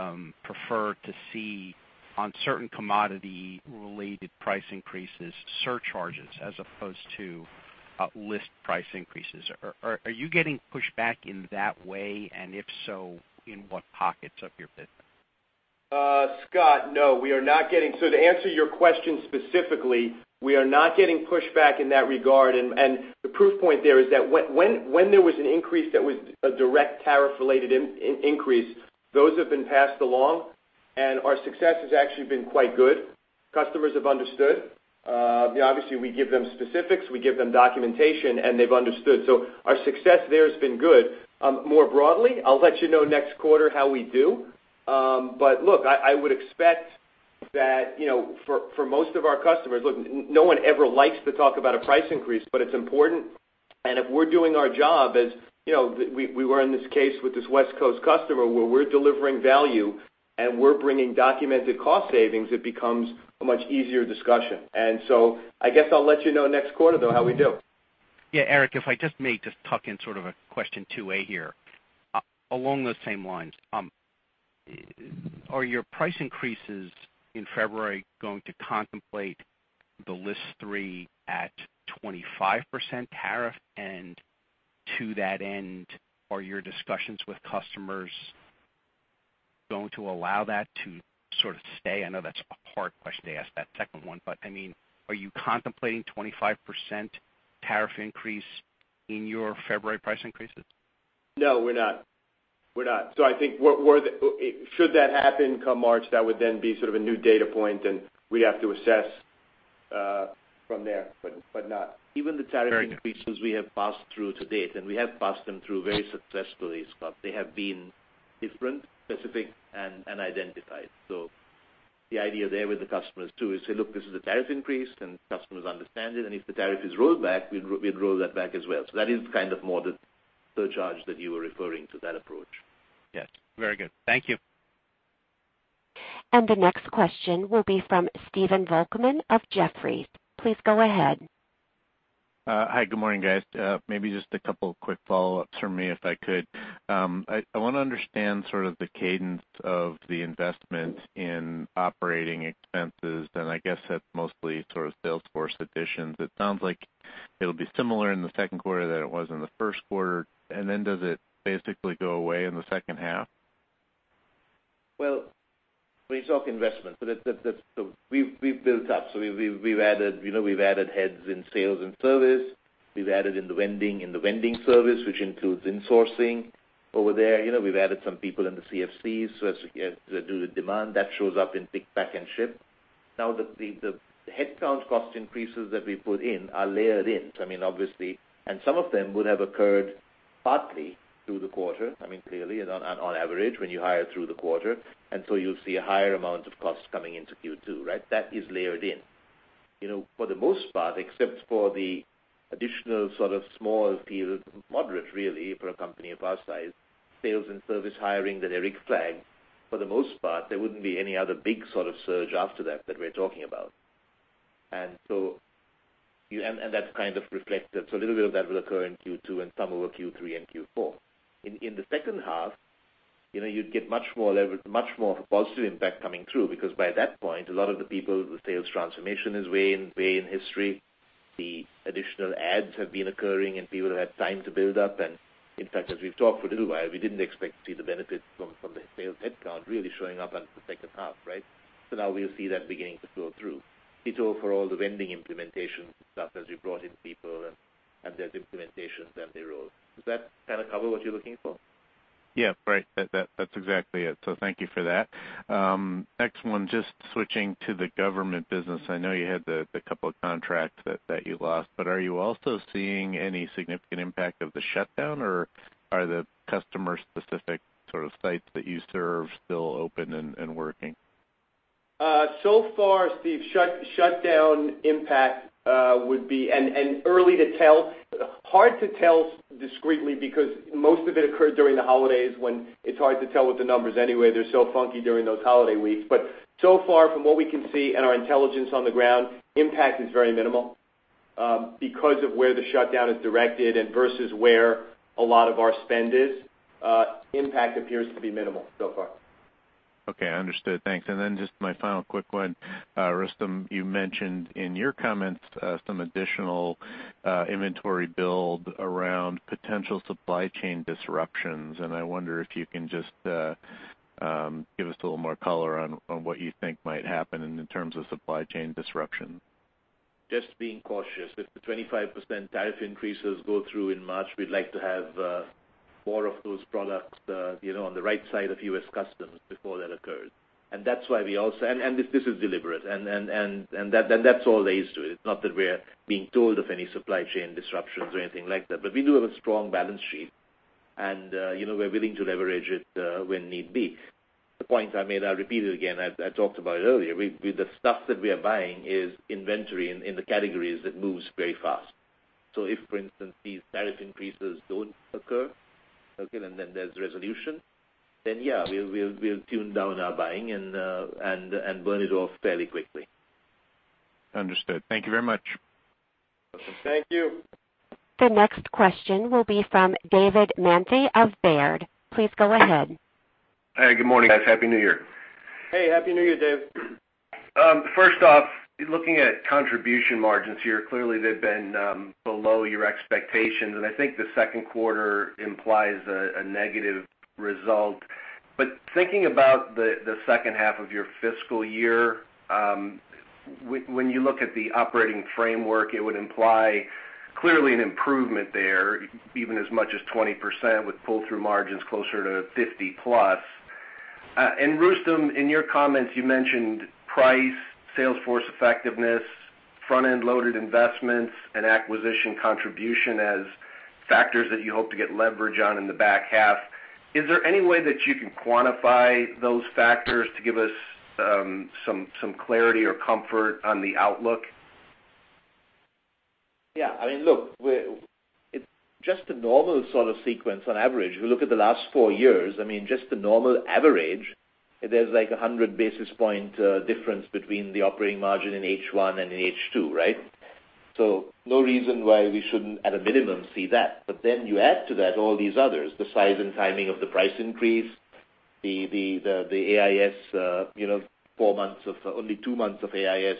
prefer to see on certain commodity-related price increases, surcharges as opposed to list price increases. Are you getting pushback in that way? If so, in what pockets of your business? Scott, no. To answer your question specifically, we are not getting pushback in that regard, and the proof point there is that when there was an increase that was a direct tariff-related increase, those have been passed along, and our success has actually been quite good. Customers have understood. Obviously, we give them specifics, we give them documentation, and they've understood. Our success there has been good. More broadly, I'll let you know next quarter how we do. Look, I would expect that for most of our customers-- Look, no one ever likes to talk about a price increase, but it's important. If we're doing our job as we were in this case with this West Coast customer where we're delivering value and we're bringing documented cost savings, it becomes a much easier discussion. I guess I'll let you know next quarter, though, how we do. Yeah. Erik, if I just may just tuck in sort of a question 2A here. Along those same lines, are your price increases in February going to contemplate the list 3 at 25% tariff? To that end, are your discussions with customers going to allow that to sort of stay? I know that's a hard question to ask, that second one, are you contemplating 25% tariff increase in your February price increases? No, we're not. I think should that happen come March, that would then be sort of a new data point, and we have to assess from there, not. Very good. Even the tariff increases we have passed through to date, we have passed them through very successfully, Scott. They have been different, specific, and identified. The idea there with the customers, too, is say, "Look, this is a tariff increase," customers understand it, if the tariff is rolled back, we'd roll that back as well. That is kind of more the surcharge that you were referring to, that approach. Yes. Very good. Thank you. The next question will be from Stephen Volkmann of Jefferies. Please go ahead. Hi. Good morning, guys. Maybe just a couple of quick follow-ups from me, if I could. I want to understand sort of the cadence of the investment in OpEx, and I guess that's mostly sort of sales force additions. It sounds like it'll be similar in the second quarter than it was in the first quarter, and then does it basically go away in the second half? When you talk investments, we've built up. We've added heads in sales and service. We've added in the vending service, which includes insourcing over there. We've added some people in the CFCs so as to do the demand. That shows up in pick, pack, and ship. The headcount cost increases that we put in are layered in, obviously, and some of them would have occurred partly through the quarter, clearly and on average, when you hire through the quarter, and so you'll see a higher amount of costs coming into Q2, right? That is layered in. For the most part, except for the additional sort of small field, moderate really, for a company of our size, sales and service hiring that Erik flagged, for the most part, there wouldn't be any other big sort of surge after that we're talking about. That's kind of reflected. A little bit of that will occur in Q2 and some over Q3 and Q4. In the second half, you'd get much more of a positive impact coming through because by that point, a lot of the people, the sales transformation is way in history. The additional ads have been occurring, and people have had time to build up and, in fact, as we've talked for a little while, we didn't expect to see the benefit from the sales headcount really showing up until second half, right? Now we'll see that beginning to flow through. Ditto for all the vending implementation stuff as we brought in people and there's implementations and they roll. Does that kind of cover what you're looking for? Yeah. Right. That's exactly it. Thank you for that. Next one, just switching to the government business. I know you had the couple of contracts that you lost, but are you also seeing any significant impact of the shutdown, or are the customer-specific sort of sites that you serve still open and working? So far, Stephen, shutdown impact would be, and early to tell, hard to tell discreetly because most of it occurred during the holidays when it's hard to tell with the numbers anyway. They're so funky during those holiday weeks. So far, from what we can see and our intelligence on the ground, impact is very minimal. Because of where the shutdown is directed and versus where a lot of our spend is, impact appears to be minimal so far. Okay. Understood. Thanks. Then just my final quick one. Rustom, you mentioned in your comments some additional inventory build around potential supply chain disruptions, and I wonder if you can just give us a little more color on what you think might happen in terms of supply chain disruption. Just being cautious. If the 25% tariff increases go through in March, we'd like to have more of those products on the right side of U.S. Customs before that occurs. This is deliberate, and that's all there is to it. Not that we're being told of any supply chain disruptions or anything like that. We do have a strong balance sheet, and we're willing to leverage it when need be. The point I made, I'll repeat it again, I talked about it earlier. The stuff that we are buying is inventory in the categories that moves very fast. If, for instance, these tariff increases don't occur, okay, and then there's resolution, then yeah, we'll tune down our buying and burn it off fairly quickly. Understood. Thank you very much. Thank you. The next question will be from David Manthey of Baird. Please go ahead. Hi, good morning, guys. Happy New Year. Hey, Happy New Year, Dave. First off, looking at contribution margins here, clearly they've been below your expectations, and I think the second quarter implies a negative result. Thinking about the second half of your fiscal year, when you look at the operating framework, it would imply clearly an improvement there, even as much as 20% with pull-through margins closer to 50-plus. Rustom, in your comments, you mentioned price, sales force effectiveness, front-end loaded investments, and acquisition contribution as factors that you hope to get leverage on in the back half. Is there any way that you can quantify those factors to give us some clarity or comfort on the outlook? Yeah. Look, it's just a normal sort of sequence on average. We look at the last four years, just the normal average, there's like 100 basis point difference between the operating margin in H1 and in H2, right? No reason why we shouldn't, at a minimum, see that. You add to that all these others, the size and timing of the price increase, the AIS, only two months of AIS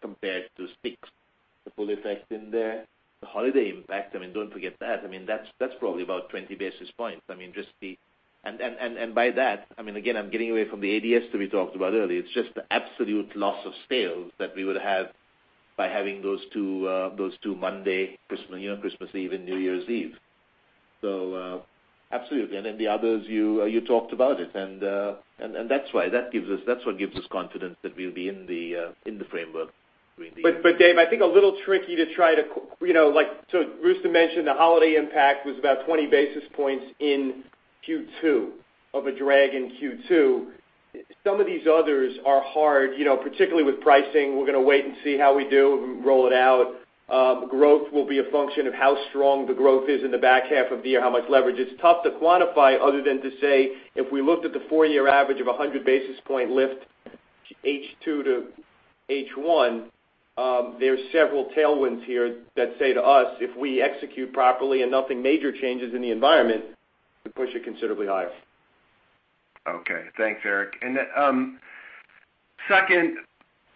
compared to six. The full effect in there. The holiday impact, don't forget that. That's probably about 20 basis points. By that, again, I'm getting away from the ADS that we talked about earlier. It's just the absolute loss of sales that we would have by having those two Monday, Christmas Eve and New Year's Eve. Absolutely. The others, you talked about it. That's why. That's what gives us confidence that we'll be in the framework. Dave, I think a little tricky. Rustom mentioned the holiday impact was about 20 basis points in Q2, of a drag in Q2. Some of these others are hard, particularly with pricing. We're going to wait and see how we do when we roll it out. Growth will be a function of how strong the growth is in the back half of the year, how much leverage. It's tough to quantify other than to say, if we looked at the four-year average of 100 basis point lift, H2 to H1, there's several tailwinds here that say to us, if we execute properly and nothing major changes in the environment, could push it considerably higher. Okay. Thanks, Erik. Second,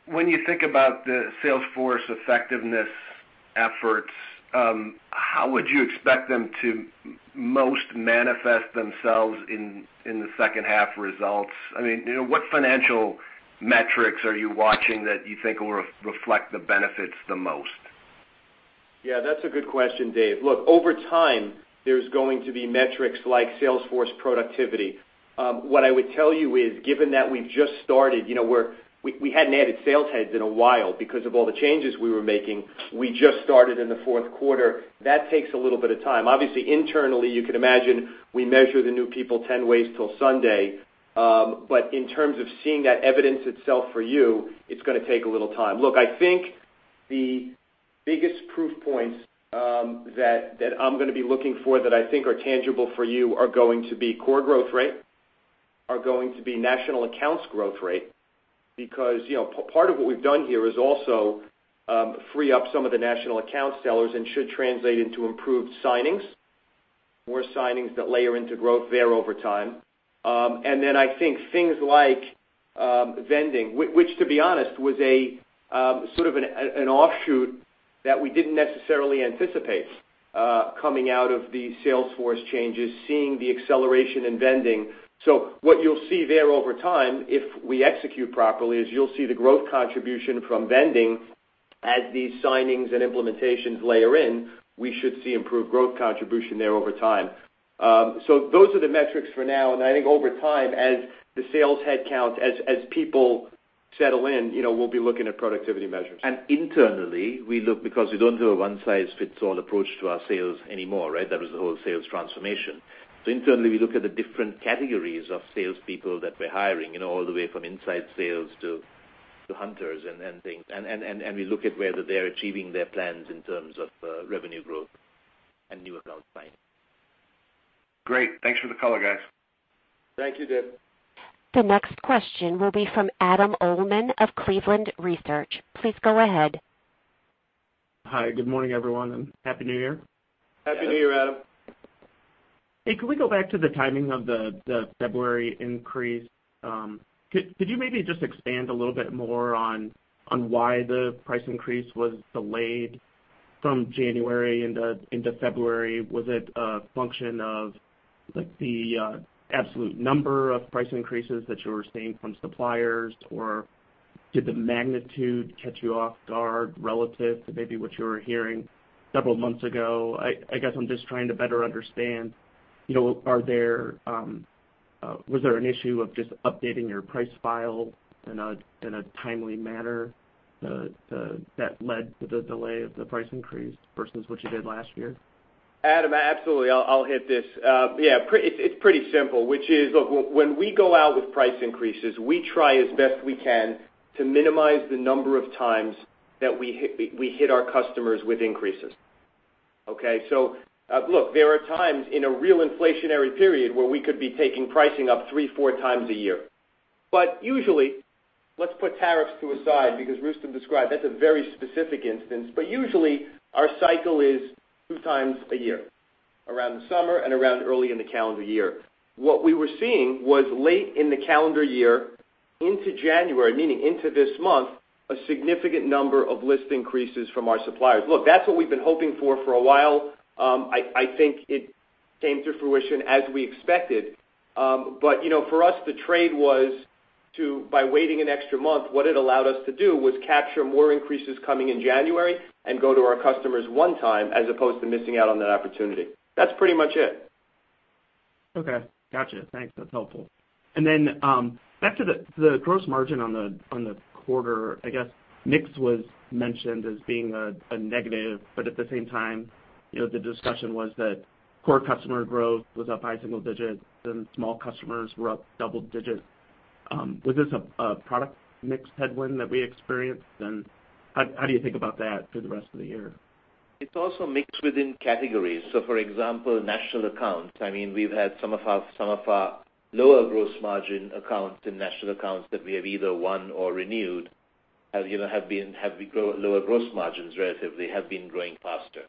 when you think about the sales force effectiveness efforts, how would you expect them to most manifest themselves in the second half results? What financial metrics are you watching that you think will reflect the benefits the most? That's a good question, Dave. Look, over time, there's going to be metrics like sales force productivity. What I would tell you is, given that we've just started, we hadn't added sales heads in a while because of all the changes we were making. We just started in the fourth quarter. That takes a little bit of time. Obviously, internally, you can imagine we measure the new people 10 ways till Sunday. In terms of seeing that evidence itself for you, it's going to take a little time. Look, I think the biggest proof points that I'm going to be looking for that I think are tangible for you are going to be core growth rate, are going to be national accounts growth rate. Part of what we've done here is also free up some of the national account sellers and should translate into improved signings, more signings that layer into growth there over time. Then I think things like vending, which to be honest, was sort of an offshoot that we didn't necessarily anticipate coming out of the sales force changes, seeing the acceleration in vending. What you'll see there over time, if we execute properly, is you'll see the growth contribution from vending as these signings and implementations layer in. We should see improved growth contribution there over time. Those are the metrics for now. I think over time, as the sales head count, as people settle in, we'll be looking at productivity measures. Internally, because we don't do a one-size-fits-all approach to our sales anymore, right? That was the whole sales transformation. Internally, we look at the different categories of salespeople that we're hiring, all the way from inside sales to hunters and things. We look at whether they're achieving their plans in terms of revenue growth and new account signing. Great. Thanks for the color, guys. Thank you, Dave. The next question will be from Adam Uhlman of Cleveland Research. Please go ahead. Hi, good morning, everyone, and Happy New Year. Happy New Year, Adam. Hey, can we go back to the timing of the February increase? Could you maybe just expand a little bit more on why the price increase was delayed from January into February? Was it a function of the absolute number of price increases that you were seeing from suppliers, or did the magnitude catch you off guard relative to maybe what you were hearing several months ago? I guess I'm just trying to better understand, was there an issue of just updating your price file in a timely manner that led to the delay of the price increase versus what you did last year? Adam, absolutely. I'll hit this. Yeah, it's pretty simple, which is, look, when we go out with price increases, we try as best we can to minimize the number of times that we hit our customers with increases. Okay? Look, there are times in a real inflationary period where we could be taking pricing up three, four times a year. Usually, let's put tariffs to a side because Rustom described that's a very specific instance. Usually our cycle is two times a year, around the summer and around early in the calendar year. What we were seeing was late in the calendar year into January, meaning into this month, a significant number of list increases from our suppliers. Look, that's what we've been hoping for for a while. I think it came to fruition as we expected. For us, the trade was to, by waiting an extra month, what it allowed us to do was capture more increases coming in January and go to our customers one time as opposed to missing out on that opportunity. That's pretty much it. Okay. Gotcha. Thanks. That's helpful. Back to the gross margin on the quarter, I guess mix was mentioned as being a negative, but at the same time, the discussion was that core customer growth was up high single digits and small customers were up double digits. Was this a product mix headwind that we experienced, and how do you think about that for the rest of the year? It's also mixed within categories. For example, national accounts, we've had some of our lower gross margin accounts in national accounts that we have either won or renewed, have lower gross margins relatively, have been growing faster.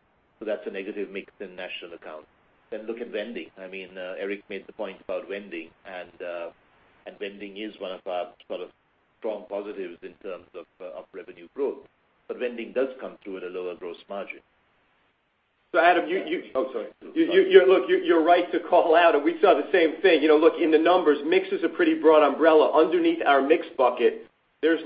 That's a negative mix in national accounts. Look at vending. Erik made the point about vending is one of our sort of strong positives in terms of revenue growth. Vending does come through at a lower gross margin. Adam, Oh, sorry. You're right to call out, and we saw the same thing. In the numbers, mix is a pretty broad umbrella. Underneath our mix bucket, there's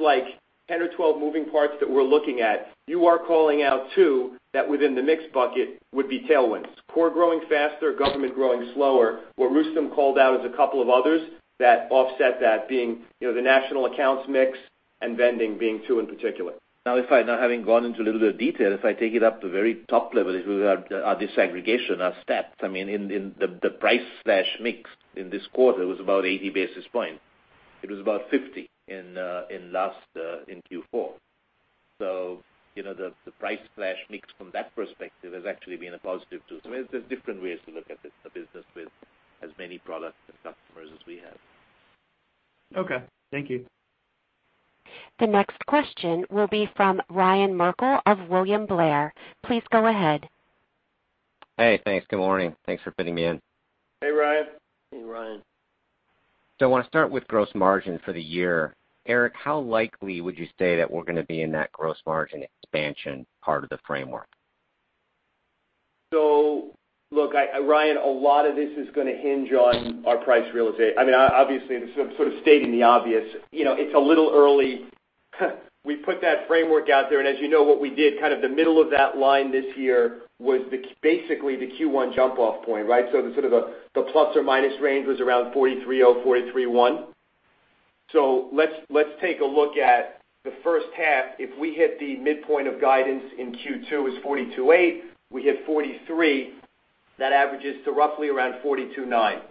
10 or 12 moving parts that we're looking at. You are calling out two that within the mix bucket would be tailwinds. Core growing faster, government growing slower. What Rustom called out is a couple of others that offset that being the national accounts mix and vending being two in particular. Now having gone into a little bit of detail, if I take it up to very top level, if we have our disaggregation, our stats. I mean, the price/mix in this quarter was about 80 basis points. It was about 50 in Q4. The price/mix from that perspective has actually been a positive too. There's different ways to look at this, a business with as many products and customers as we have. Okay. Thank you. The next question will be from Ryan Merkel of William Blair. Please go ahead. Hey, thanks. Good morning. Thanks for fitting me in. Hey, Ryan. Hey, Ryan. I want to start with gross margin for the year. Erik, how likely would you say that we're going to be in that gross margin expansion part of the framework? Look, Ryan, a lot of this is going to hinge on our price realization. Obviously, sort of stating the obvious. It's a little early. We put that framework out there, and as you know, what we did kind of the middle of that line this year was basically the Q1 jump-off point, right? The sort of the plus or minus range was around 43.0, 43.1. Let's take a look at the first half. If we hit the midpoint of guidance in Q2 is 42.8, we hit 43, that averages to roughly around 42.9.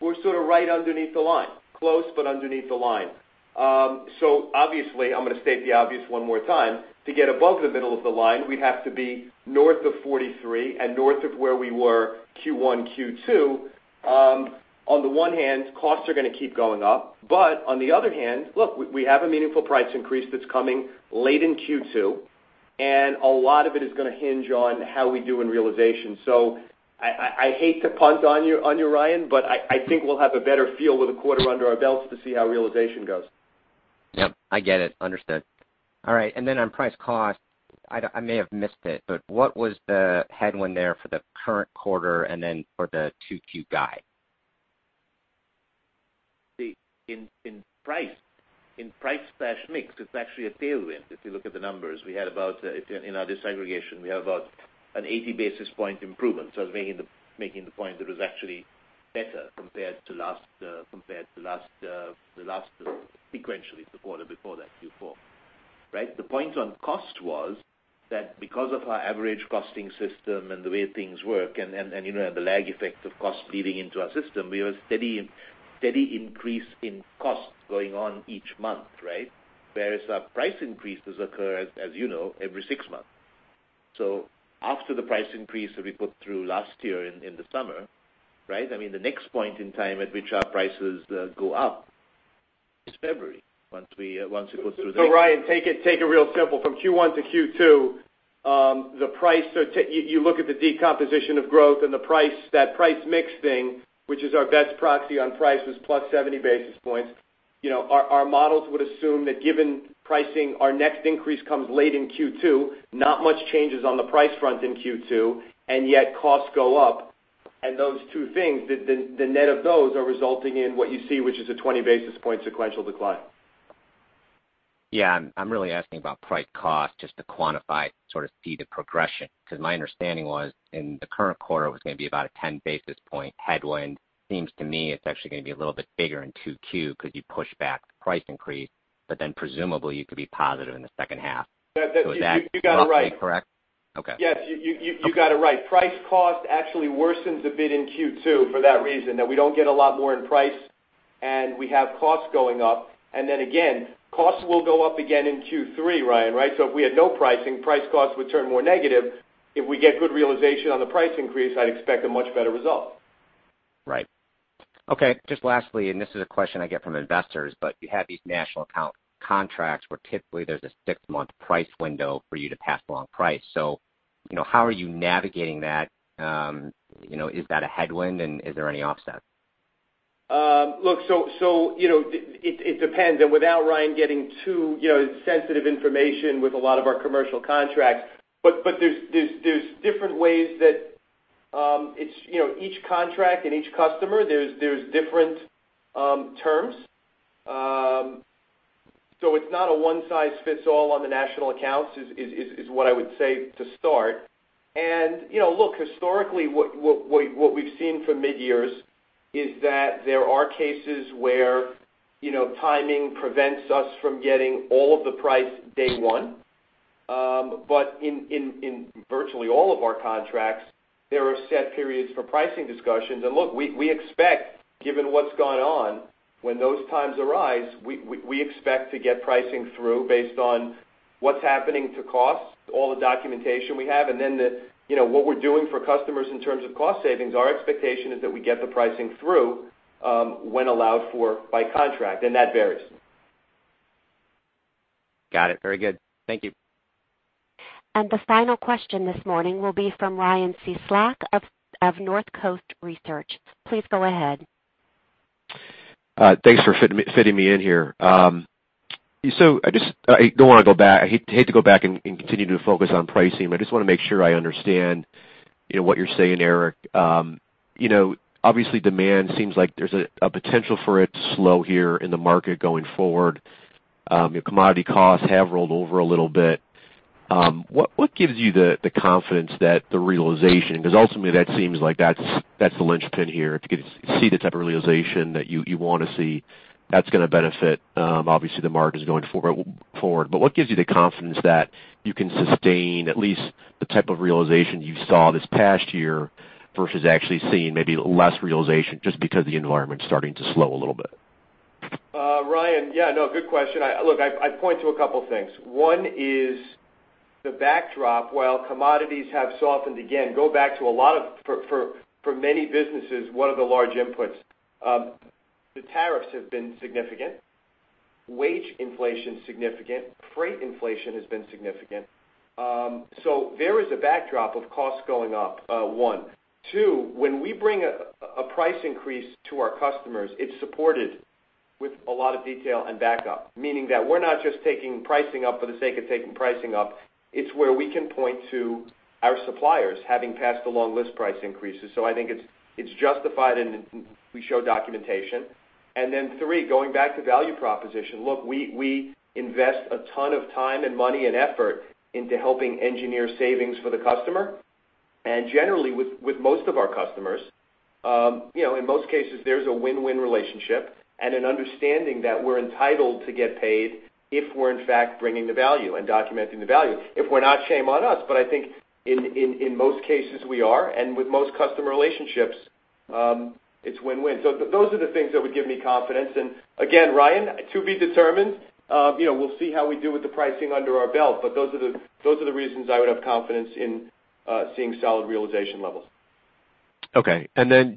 We're sort of right underneath the line. Close, but underneath the line. Obviously, I'm going to state the obvious one more time, to get above the middle of the line, we'd have to be north of 43 and north of where we were Q1, Q2. On the one hand, costs are going to keep going up, on the other hand, look, we have a meaningful price increase that's coming late in Q2, a lot of it is going to hinge on how we do in realization. I hate to punt on you, Ryan, I think we'll have a better feel with a quarter under our belts to see how realization goes. Yep. I get it. Understood. All right, on price cost, I may have missed it, what was the headwind there for the current quarter for the 2Q guide? In price/mix, it's actually a tailwind, if you look at the numbers. In our disaggregation, we have about an 80 basis point improvement. I was making the point that it was actually better compared to last sequentially, the quarter before that, Q4. Right? The point on cost was that because of our average costing system and the way things work and the lag effect of cost feeding into our system, we have a steady increase in cost going on each month, right? Whereas our price increases occur, as you know, every six months. After the price increase that we put through last year in the summer, right? The next point in time at which our prices go up is February, once it goes through the- Ryan, take it real simple. From Q1 to Q2, you look at the decomposition of growth and that price mix thing, which is our best proxy on price, was plus 70 basis points. Our models would assume that given pricing, our next increase comes late in Q2, not much changes on the price front in Q2, and yet costs go up, and those two things, the net of those are resulting in what you see, which is a 20 basis point sequential decline. Yeah, I'm really asking about price cost just to quantify, sort of see the progression. My understanding was in the current quarter, it was going to be about a 10 basis point headwind. Seems to me it's actually going to be a little bit bigger in 2Q because you pushed back the price increase, but then presumably you could be positive in the second half. You got it right. Correct? Okay. Yes, you got it right. Price cost actually worsens a bit in Q2 for that reason, that we don't get a lot more in price and we have costs going up, and then again, costs will go up again in Q3, Ryan, right? If we had no pricing, price cost would turn more negative. If we get good realization on the price increase, I'd expect a much better result. Right. Okay, just lastly, and this is a question I get from investors, but you have these national account contracts where typically there's a six-month price window for you to pass along price. How are you navigating that? Is that a headwind, and is there any offset? Look, so it depends, and without Ryan getting too sensitive information with a lot of our commercial contracts, but there's different ways that each contract and each customer, there's different terms. It's not a one size fits all on the national accounts is what I would say to start. Look, historically, what we've seen for mid-years is that there are cases where timing prevents us from getting all of the price day one. In virtually all of our contracts, there are set periods for pricing discussions. Look, we expect, given what's gone on, when those times arise, we expect to get pricing through based on what's happening to cost, all the documentation we have, and then what we're doing for customers in terms of cost savings. Our expectation is that we get the pricing through when allowed for by contract, and that varies. Got it. Very good. Thank you. The final question this morning will be from Ryan Cieslak of Northcoast Research. Please go ahead. Thanks for fitting me in here. I hate to go back and continue to focus on pricing, I just want to make sure I understand what you're saying, Erik. Obviously, demand seems like there's a potential for it to slow here in the market going forward. Commodity costs have rolled over a little bit. What gives you the confidence that the realization, because ultimately that seems like that's the linchpin here. If you could see the type of realization that you want to see, that's going to benefit, obviously, the markets going forward. What gives you the confidence that you can sustain at least the type of realization you saw this past year versus actually seeing maybe less realization just because the environment's starting to slow a little bit? Ryan, good question. Look, I'd point to a couple things. One is the backdrop. While commodities have softened again, go back to a lot of, for many businesses, one of the large inputs. The tariffs have been significant, wage inflation's significant, freight inflation has been significant. There is a backdrop of costs going up, one. Two, when we bring a price increase to our customers, it's supported with a lot of detail and backup, meaning that we're not just taking pricing up for the sake of taking pricing up. It's where we can point to our suppliers having passed along list price increases. I think it's justified, and we show documentation. Three, going back to value proposition. Look, we invest a ton of time and money in effort into helping engineer savings for the customer. Generally, with most of our customers, in most cases, there's a win-win relationship and an understanding that we're entitled to get paid if we're in fact bringing the value and documenting the value. If we're not, shame on us, but I think in most cases we are, and with most customer relationships, it's win-win. Those are the things that would give me confidence. Again, Ryan, to be determined. We'll see how we do with the pricing under our belt, but those are the reasons I would have confidence in seeing solid realization levels. Okay.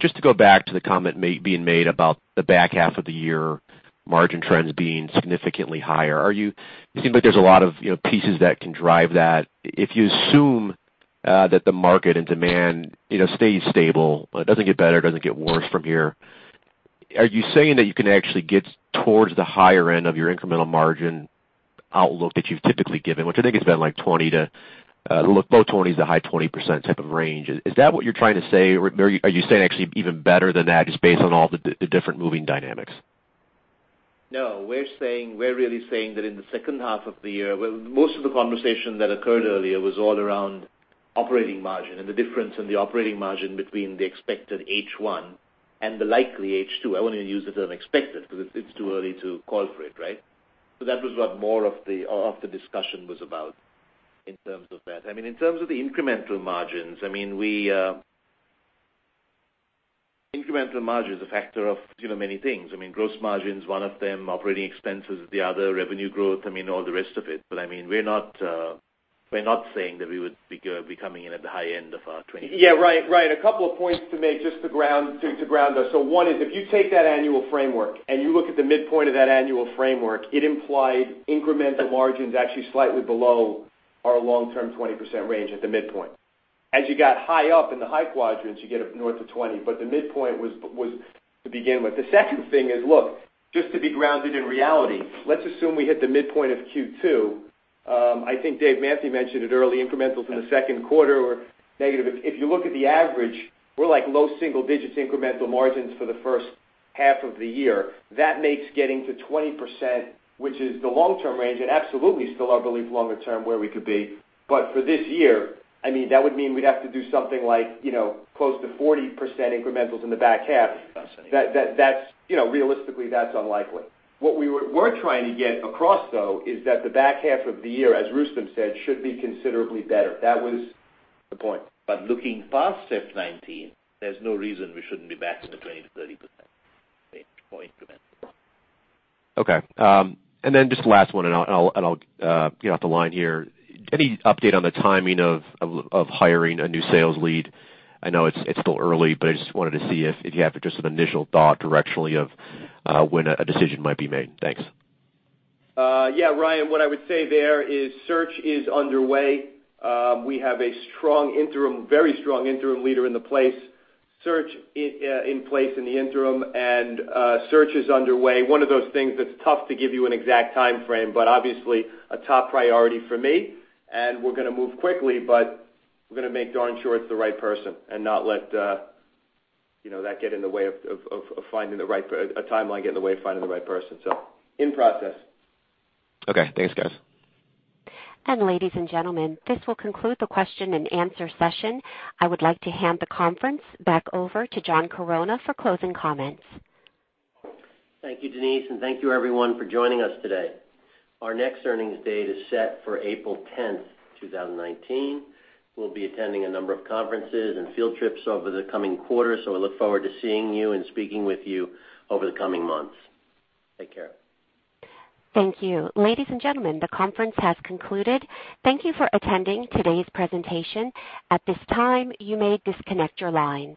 Just to go back to the comment being made about the back half of the year margin trends being significantly higher. It seems like there's a lot of pieces that can drive that. If you assume that the market and demand stays stable, it doesn't get better, doesn't get worse from here, are you saying that you can actually get towards the higher end of your incremental margin outlook that you've typically given, which I think has been like 20 to low 20s to high 20% type of range? Is that what you're trying to say, or are you saying actually even better than that just based on all the different moving dynamics? No, we're really saying that in the second half of the year, most of the conversation that occurred earlier was all around operating margin and the difference in the operating margin between the expected H1 and the likely H2. I don't want to use the term expected because it's too early to call for it, right? That was what more of the discussion was about in terms of that. In terms of the incremental margins, incremental margin is a factor of many things. Gross margin is one of them, operating expenses is the other, revenue growth, all the rest of it. We're not saying that we would be coming in at the high end of our 20%. Yeah, Ryan. A couple of points to make just to ground us. One is if you take that annual framework and you look at the midpoint of that annual framework, it implied incremental margins actually slightly below our long-term 20% range at the midpoint. As you got high up in the high quadrants, you get up north of 20, but the midpoint was to begin with. The second thing is, look, just to be grounded in reality, let's assume we hit the midpoint of Q2. I think Dave Manthey mentioned it early, incrementals in the second quarter were negative. If you look at the average, we're like low single digits incremental margins for the first half of the year. That makes getting to 20%, which is the long-term range, and absolutely still our belief longer term where we could be. For this year, that would mean we'd have to do something like close to 40% incrementals in the back half. That's it. Realistically, that's unlikely. What we were trying to get across, though, is that the back half of the year, as Rustom said, should be considerably better. That was the point. Looking past step 19, there's no reason we shouldn't be back to the 20%-30% range for incremental. Okay. Just the last one, I'll get off the line here. Any update on the timing of hiring a new sales lead? I know it's still early, I just wanted to see if you have just an initial thought directionally of when a decision might be made. Thanks. Yeah, Ryan, what I would say there is search is underway. We have a very strong interim leader in the place. Search in place in the interim, search is underway. One of those things that's tough to give you an exact timeframe, obviously a top priority for me, we're going to move quickly, we're going to make darn sure it's the right person and not let a timeline get in the way of finding the right person. In process. Okay. Thanks, guys. Ladies and gentlemen, this will conclude the question and answer session. I would like to hand the conference back over to John Chironna for closing comments. Thank you, Denise, and thank you everyone for joining us today. Our next earnings date is set for April 10th, 2019. We'll be attending a number of conferences and field trips over the coming quarter, so we look forward to seeing you and speaking with you over the coming months. Take care. Thank you. Ladies and gentlemen, the conference has concluded. Thank you for attending today's presentation. At this time, you may disconnect your lines.